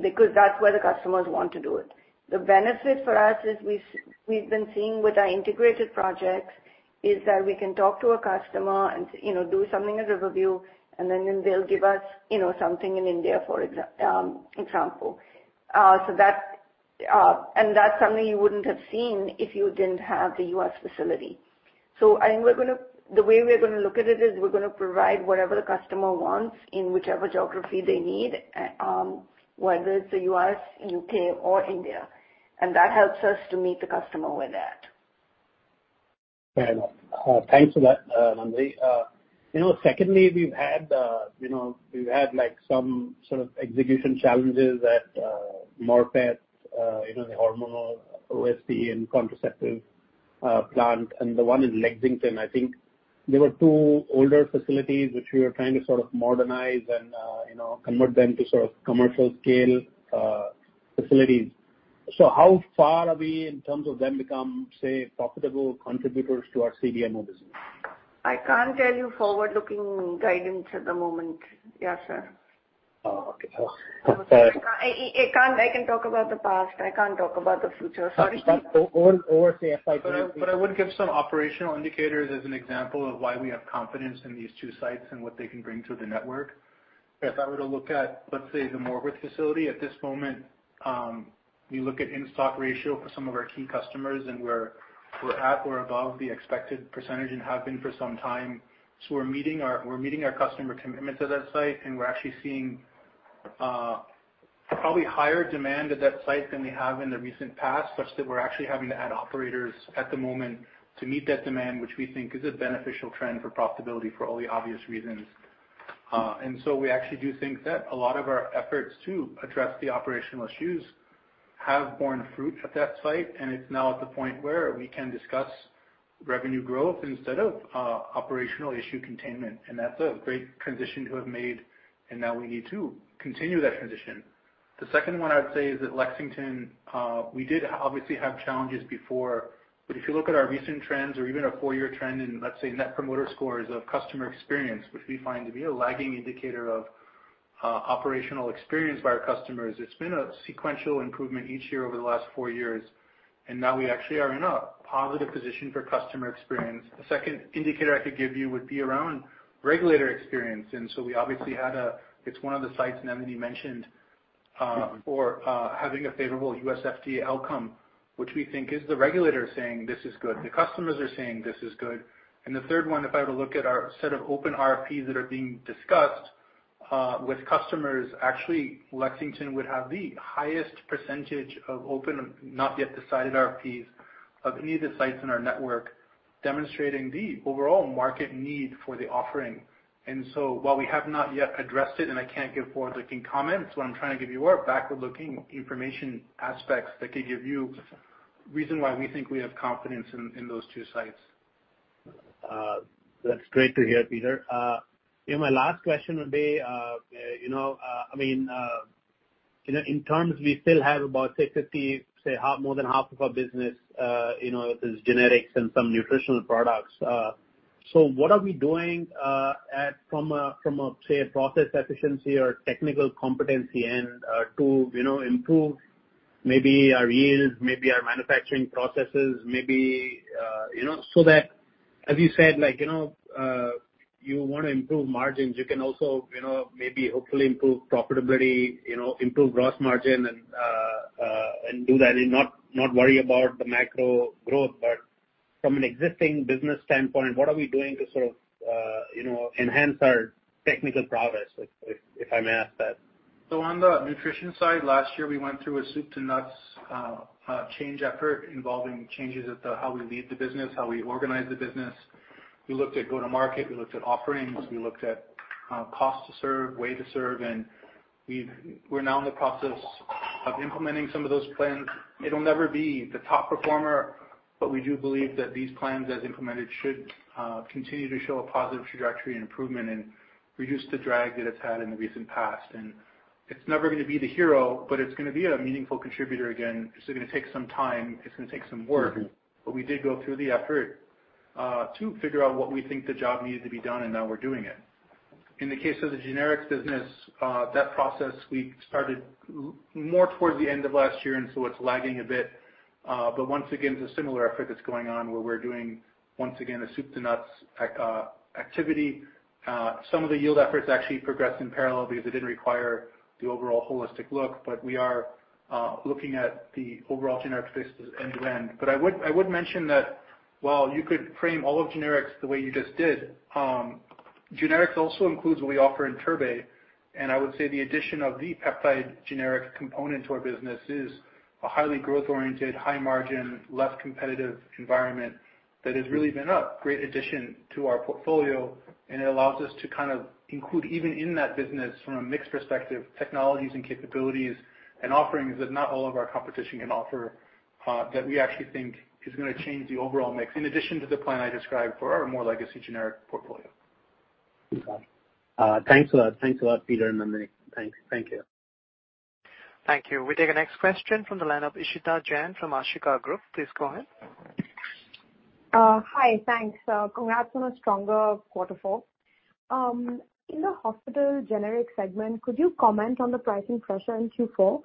because that's where the customers want to do it. The benefit for us is we've been seeing with our integrated projects is that we can talk to a customer and, you know, do something at Riverview, and then they'll give us, you know, something in India, for example. That's something you wouldn't have seen if you didn't have the U.S. facility. I think the way we're gonna look at it is, we're gonna provide whatever the customer wants in whichever geography they need, whether it's the U.S., U.K., or India, and that helps us to meet the customer where they're at. Fair enough. thanks for that, Nandini. you know, secondly, we've had, you know, like, some sort of execution challenges at, Morpeth, you know, the hormonal, OSD, and contraceptive, plant, and the one in Lexington. I think there were two older facilities, which we were trying to sort of modernize and, you know, convert them to sort of commercial-scale, facilities. How far are we in terms of them become, say, profitable contributors to our CDMO business? I can't tell you forward-looking guidance at the moment, Yasser. Oh, okay. Oh, sorry. I can talk about the past. I can't talk about the future. Sorry. over, say, a 5-year- I would give some operational indicators as an example of why we have confidence in these two sites and what they can bring to the network. If I were to look at, let's say, the Morpeth facility at this moment, we look at in-stock ratio for some of our key customers, and we're at or above the expected % and have been for some time. We're meeting our customer commitments at that site, and we're actually seeing probably higher demand at that site than we have in the recent past, such that we're actually having to add operators at the moment to meet that demand, which we think is a beneficial trend for profitability for all the obvious reasons. We actually do think that a lot of our efforts to address the operational issues have borne fruit at that site, and it's now at the point where we can discuss revenue growth instead of operational issue containment, and that's a great transition to have made, and now we need to continue that transition. The second one I'd say is that Lexington, we did obviously have challenges before, but if you look at our recent trends or even our four-year trend in, let's say, net promoter scores of customer experience, which we find to be a lagging indicator of operational experience by our customers, it's been a sequential improvement each year over the last four years, and now we actually are in a positive position for customer experience. The second indicator I could give you would be around regulator experience, It's one of the sites, and Nandini mentioned having a favorable US FDA outcome, which we think is the regulator saying, "This is good." The customers are saying, "This is good." The third one, if I were to look at our set of open RFPs that are being discussed with customers, actually, Lexington would have the highest percentage of open, not yet decided RFPs of any of the sites in our network, demonstrating the overall market need for the offering. While we have not yet addressed it, and I can't give forward-looking comments, what I'm trying to give you are backward-looking information aspects that could give you reason why we think we have confidence in those two sites. That's great to hear, Peter. My last question would be, you know, I mean, you know, in terms we still have about, say, 50, say, more than half of our business, you know, is generics and some nutritional products. So what are we doing at, from a, from a, say, a process efficiency or technical competency and, to, you know, improve maybe our yields, maybe our manufacturing processes, maybe, you know, so that, as you said, like, you know, you want to improve margins, you can also, you know, maybe hopefully improve profitability, you know, improve gross margin and do that and not worry about the macro growth. From an existing business standpoint, what are we doing to sort of, you know, enhance our technical progress, if I may ask that? On the nutrition side, last year, we went through a soup to nuts, change effort involving changes at the how we lead the business, how we organize the business. We looked at go-to-market, we looked at offerings, we looked at cost to serve, way to serve, and we're now in the process of implementing some of those plans. It'll never be the top performer, but we do believe that these plans, as implemented, should continue to show a positive trajectory and improvement and reduce the drag that it's had in the recent past. It's never gonna be the hero, but it's gonna be a meaningful contributor again. It's gonna take some time, it's gonna take some work- Mm-hmm. We did go through the effort, to figure out what we think the job needed to be done, and now we're doing it. In the case of the generics business, that process we started more towards the end of last year. It's lagging a bit. Once again, it's a similar effort that's going on, where we're doing, once again, a soup to nuts activity. Some of the yield efforts actually progressed in parallel because it didn't require the overall holistic look, but we are, looking at the overall generic business end-to-end. I would mention that while you could frame all of generics the way you just did, generics also includes what we offer in Turbhe, and I would say the addition of the peptide generic component to our business is a highly growth-oriented, high-margin, less competitive environment that has really been a great addition to our portfolio. It allows us to kind of include, even in that business, from a mix perspective, technologies and capabilities and offerings that not all of our competition can offer, that we actually think is gonna change the overall mix, in addition to the plan I described for our more legacy generic portfolio. Thanks a lot. Thanks a lot, Peter and Dominic. Thanks. Thank you. Thank you. We take the next question from the line of Ishita Jain from Ashika Group. Please go ahead. Hi, thanks. Congrats on a stronger Q4. In the hospital generic segment, could you comment on the pricing pressure in Q4?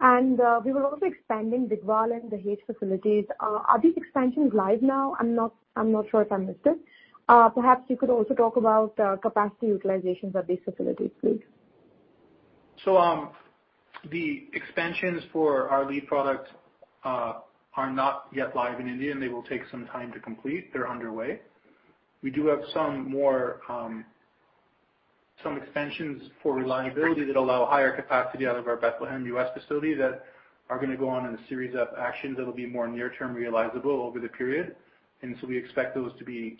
We were also expanding Digwal and the Dahej facilities. Are these expansions live now? I'm not sure if I missed it. Perhaps you could also talk about capacity utilizations at these facilities, please. The expansions for our lead products are not yet live in India, and they will take some time to complete. They're underway. We do have some more expansions for reliability that allow higher capacity out of our Bethlehem, US facility that are gonna go on in a series of actions that will be more near-term realizable over the period. We expect those to be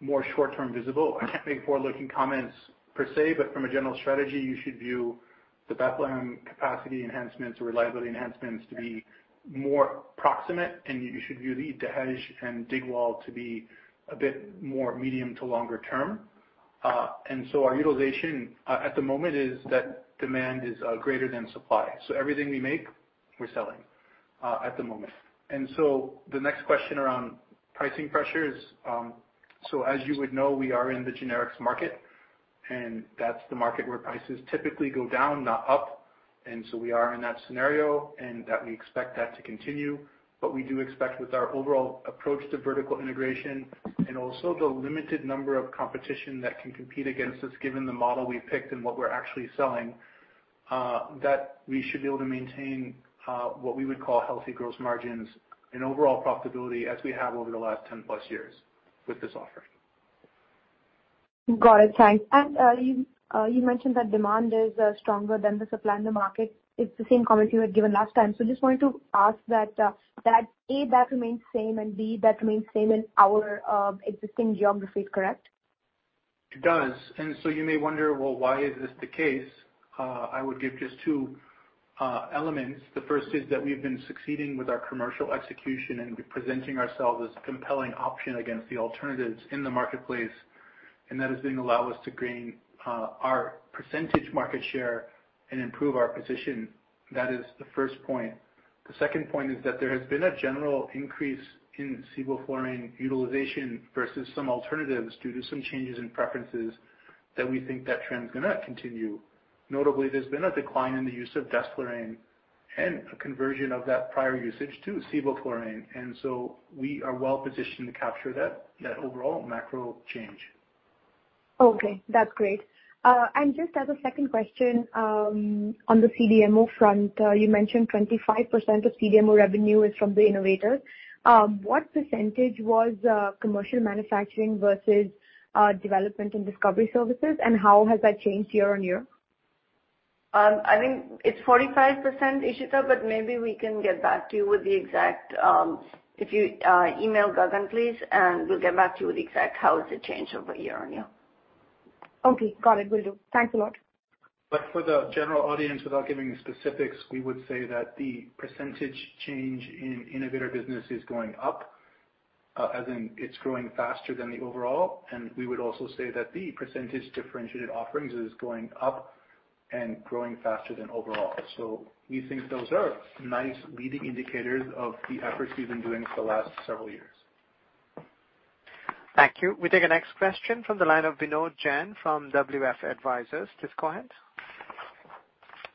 more short-term visible. I can't make forward-looking comments per se, but from a general strategy, you should view the Bethlehem capacity enhancements or reliability enhancements to be more proximate, and you should view the Dahej and Digwal to be a bit more medium to longer term. Our utilization at the moment is that demand is greater than supply. Everything we make, we're selling at the moment. The next question around pricing pressures. As you would know, we are in the generics market, and that's the market where prices typically go down, not up. We are in that scenario, and that we expect that to continue. We do expect with our overall approach to vertical integration and also the limited number of competition that can compete against us, given the model we picked and what we're actually selling, that we should be able to maintain what we would call healthy gross margins and overall profitability as we have over the last 10+ years with this offering. Got it. Thanks. You mentioned that demand is stronger than the supply in the market. It's the same comment you had given last time. Just wanted to ask that, A, that remains same, and B, that remains same in our existing geographies, correct? It does. You may wonder, well, why is this the case? I would give just two elements. The first is that we've been succeeding with our commercial execution and presenting ourselves as a compelling option against the alternatives in the marketplace, and that has been allow us to gain our percentage market share and improve our position. That is the first point. The second point is that there has been a general increase in Sevoflurane utilization versus some alternatives due to some changes in preferences that we think that trend is gonna continue. Notably, there's been a decline in the use of Desflurane and a conversion of that prior usage to Sevoflurane, we are well positioned to capture that overall macro change. Okay, that's great. Just as a second question, on the CDMO front, you mentioned 25% of CDMO revenue is from the innovators. What percentage was commercial manufacturing versus development and discovery services, and how has that changed year-over-year? I think it's 45%, Ishita. Maybe we can get back to you with the exact. If you email Gagan, please, and we'll get back to you with the exact how has it changed over year-on-year. Okay, got it. Will do. Thanks a lot. For the general audience, without giving specifics, we would say that the % change in innovator business is going up, as in it's growing faster than the overall. We would also say that the % differentiated offerings is going up and growing faster than overall. We think those are nice leading indicators of the efforts we've been doing for the last several years. Thank you. We take the next question from the line of Vinod Jain from WF Advisors. Please, go ahead.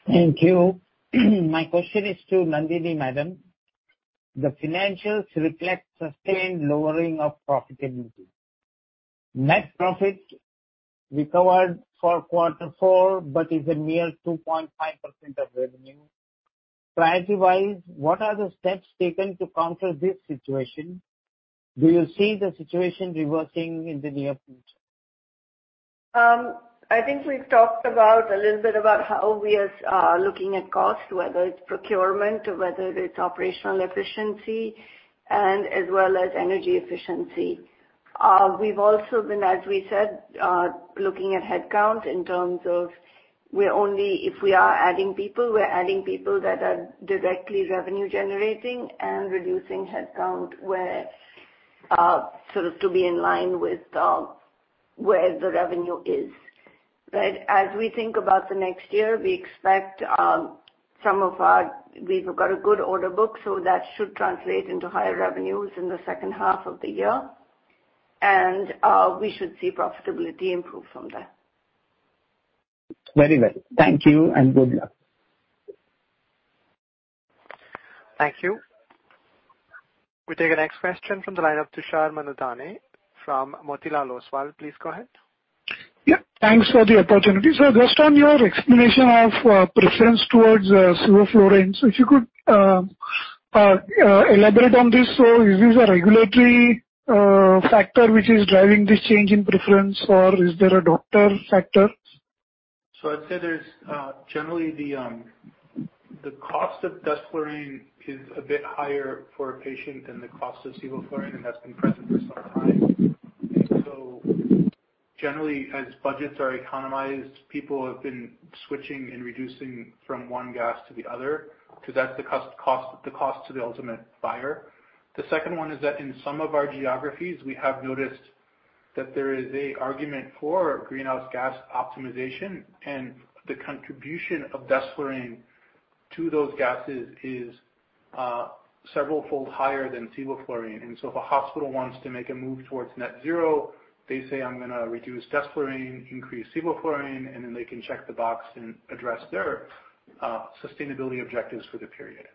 Thank you. My question is to Nandini, Madam. The financials reflect sustained lowering of profitability. Net profit recovered for Q4, but is a mere 2.5% of revenue. Priority-wise, what are the steps taken to counter this situation? Do you see the situation reversing in the near future? I think we've talked about, a little bit about how we are looking at cost, whether it's procurement or whether it's operational efficiency and as well as energy efficiency. We've also been, as we said, looking at headcount in terms of if we are adding people, we're adding people that are directly revenue generating and reducing headcount, where to be in line with where the revenue is. As we think about the next year, we expect. We've got a good order book, so that should translate into higher revenues in the second half of the year. We should see profitability improve from there. Very well. Thank you and good luck. Thank you. We take the next question from the line of Tushar Manudhane from Motilal Oswal. Please go ahead. Yeah, thanks for the opportunity. Just on your explanation of preference towards Sevoflurane, if you could elaborate on this. Is this a regulatory factor which is driving this change in preference, or is there a doctor factor? I'd say there's generally the cost of Desflurane is a bit higher for a patient than the cost of Sevoflurane, and that's been present for some time. Generally, as budgets are economized, people have been switching and reducing from one gas to the other, because that's the cost to the ultimate buyer. The second one is that in some of our geographies, we have noticed that there is a argument for greenhouse gas optimization, and the contribution of Desflurane to those gases is severalfold higher than Sevoflurane. If a hospital wants to make a move towards net zero, they say, "I'm gonna reduce Desflurane, increase Sevoflurane," and then they can check the box and address their sustainability objectives for the period.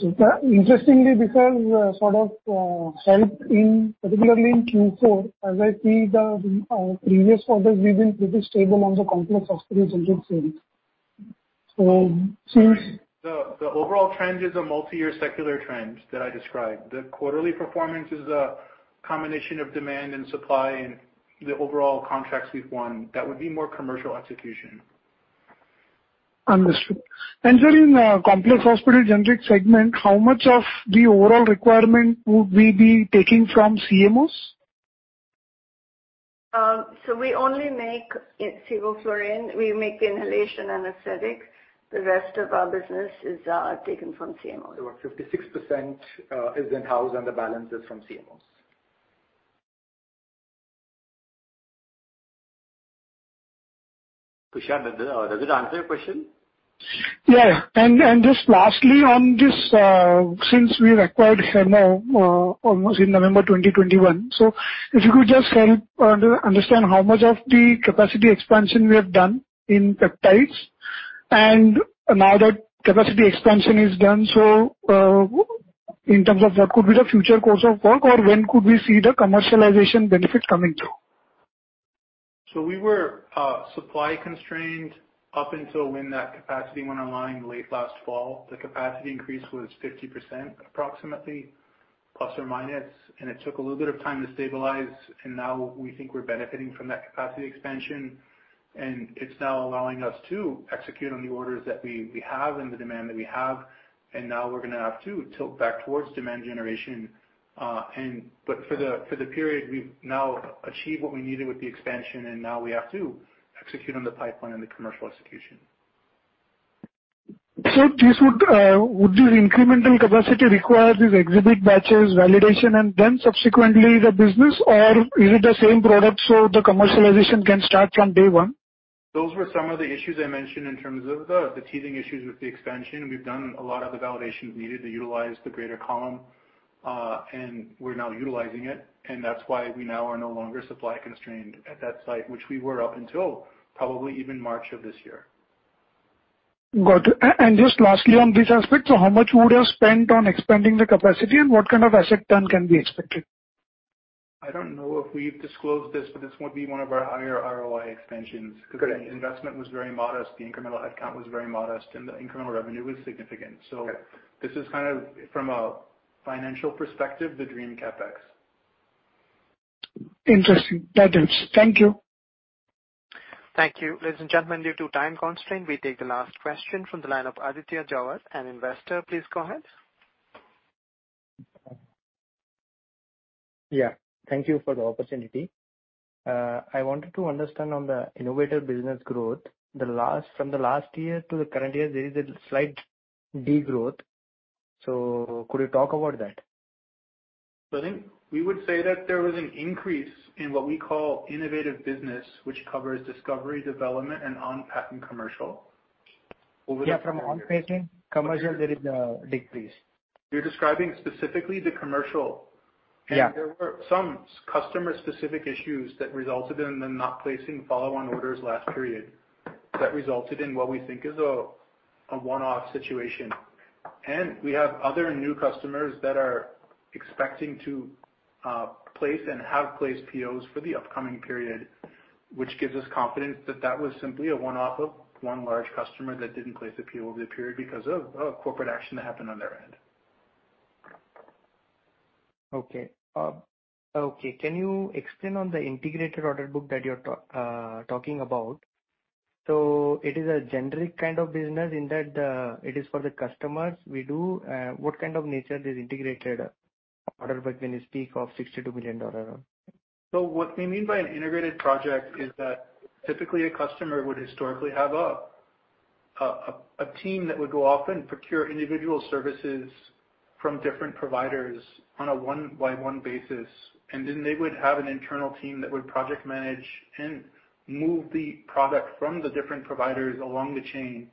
Interestingly, this has, sort of, helped in, particularly in Q4, as I see the, our previous orders, we've been pretty stable on the complex hospital generic segment. The overall trend is a multi-year secular trend that I described. The quarterly performance is a combination of demand and supply and the overall contracts we've won. That would be more commercial execution. Understood. In complex hospital generic segment, how much of the overall requirement would we be taking from CMOs? We only make it sevoflurane. We make the inhalation anesthetic. The rest of our business is taken from CMOs. 56% is in-house, and the balance is from CMOs. Tushar, does it answer your question? Yeah. Just lastly on this, since we've acquired Hemmo, almost in November 2021, so if you could just help understand how much of the capacity expansion we have done in peptides, and now that capacity expansion is done, so, in terms of what could be the future course of work, or when could we see the commercialization benefits coming through? We were supply constrained up until when that capacity went online late last fall. The capacity increase was 50%, approximately, plus or minus. It took a little bit of time to stabilize. Now we think we're benefiting from that capacity expansion. It's now allowing us to execute on the orders that we have and the demand that we have. Now we're gonna have to tilt back towards demand generation. But for the period, we've now achieved what we needed with the expansion. Now we have to execute on the pipeline and the commercial execution. This would the incremental capacity require these exhibit batches, validation, and then subsequently the business, or is it the same product, so the commercialization can start from day one? Those were some of the issues I mentioned in terms of the teething issues with the expansion. We've done a lot of the validations needed to utilize the greater column, and we're now utilizing it, and that's why we now are no longer supply constrained at that site, which we were up until probably even March of this year. Good. Just lastly, on this aspect, so how much would you spend on expanding the capacity, and what kind of asset turn can be expected? I don't know if we've disclosed this, but this would be one of our higher ROI expansions. Got it. The investment was very modest, the incremental headcount was very modest, and the incremental revenue was significant. Okay. This is kind of, from a financial perspective, the dream CapEx. Interesting. That helps. Thank you. Thank you. Ladies and gentlemen, due to time constraint, we take the last question from the line of Aditya Jajodia, an investor. Please go ahead. Yeah, thank you for the opportunity. I wanted to understand on the innovator business growth, from the last year to the current year, there is a slight degrowth. Could you talk about that? I think we would say that there was an increase in what we call innovative business, which covers discovery, development, and on-patent commercial. Yeah, from on-patent commercial, there is a decrease. You're describing specifically the commercial. Yeah. There were some customer-specific issues that resulted in them not placing follow-on orders last period, that resulted in what we think is a one-off situation. We have other new customers that are expecting to place and have placed POs for the upcoming period, which gives us confidence that that was simply a one-off of one large customer that didn't place a PO over the period because of corporate action that happened on their end. Okay. Okay, can you explain on the integrated order book that you're talking about? It is a generic kind of business, in that, it is for the customers we do. What kind of nature is integrated order, when you speak of $62 million? What we mean by an integrated project is that typically a customer would historically have a team that would go off and procure individual services from different providers on a one-by-one basis, and then they would have an internal team that would project manage and move the product from the different providers along the chain,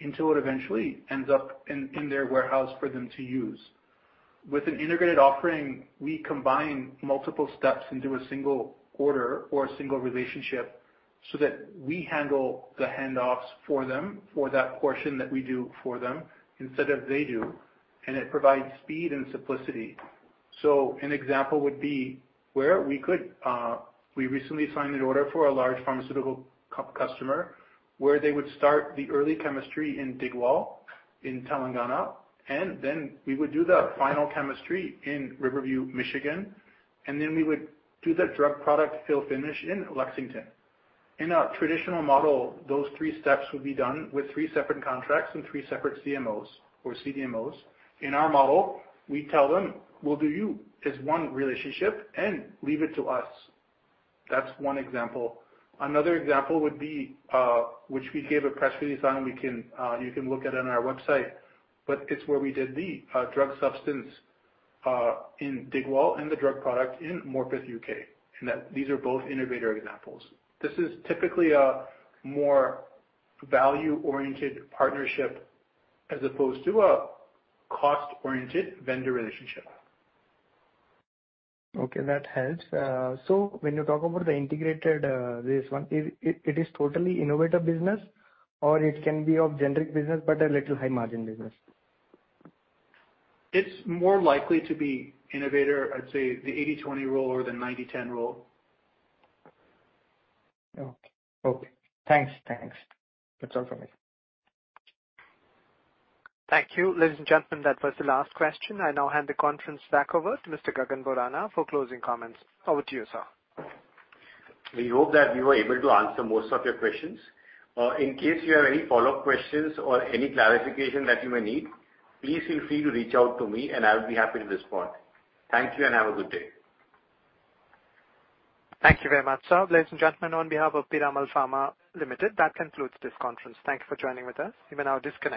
until it eventually ends up in their warehouse for them to use. With an integrated offering, we combine multiple steps into a single order or a single relationship, so that we handle the handoffs for them, for that portion that we do for them, instead of they do. It provides speed and simplicity. An example would be where we could... We recently signed an order for a large pharmaceutical customer, where they would start the early chemistry in Digwal, in Telangana, and then we would do the final chemistry in Riverview, Michigan, and then we would do the drug product fill finish in Lexington. In a traditional model, those three steps would be done with three separate contracts and three separate CMOs or CDMOs. In our model, we tell them: "We'll do you as one relationship and leave it to us." That's one example. Another example would be, which we gave a press release on, we can, you can look at it on our website, but it's where we did the drug substance in Digwal and the drug product in Morpeth, UK, and that these are both innovator examples. This is typically a more value-oriented partnership, as opposed to a cost-oriented vendor relationship. Okay, that helps. When you talk about the integrated, this one, it is totally innovative business, or it can be of generic business, but a little high margin business? It's more likely to be innovator. I'd say the 80/20 rule or the 90/10 rule. Okay. Okay. Thanks. Thanks. That's all for me. Thank you. Ladies and gentlemen, that was the last question. I now hand the conference back over to Mr. Gagan Borana, for closing comments. Over to you, sir. We hope that we were able to answer most of your questions. In case you have any follow-up questions or any clarification that you may need, please feel free to reach out to me, and I'll be happy to respond. Thank you, and have a good day. Thank you very much, sir. Ladies and gentlemen, on behalf of Piramal Pharma Limited, that concludes this conference. Thank you for joining with us. You may now disconnect.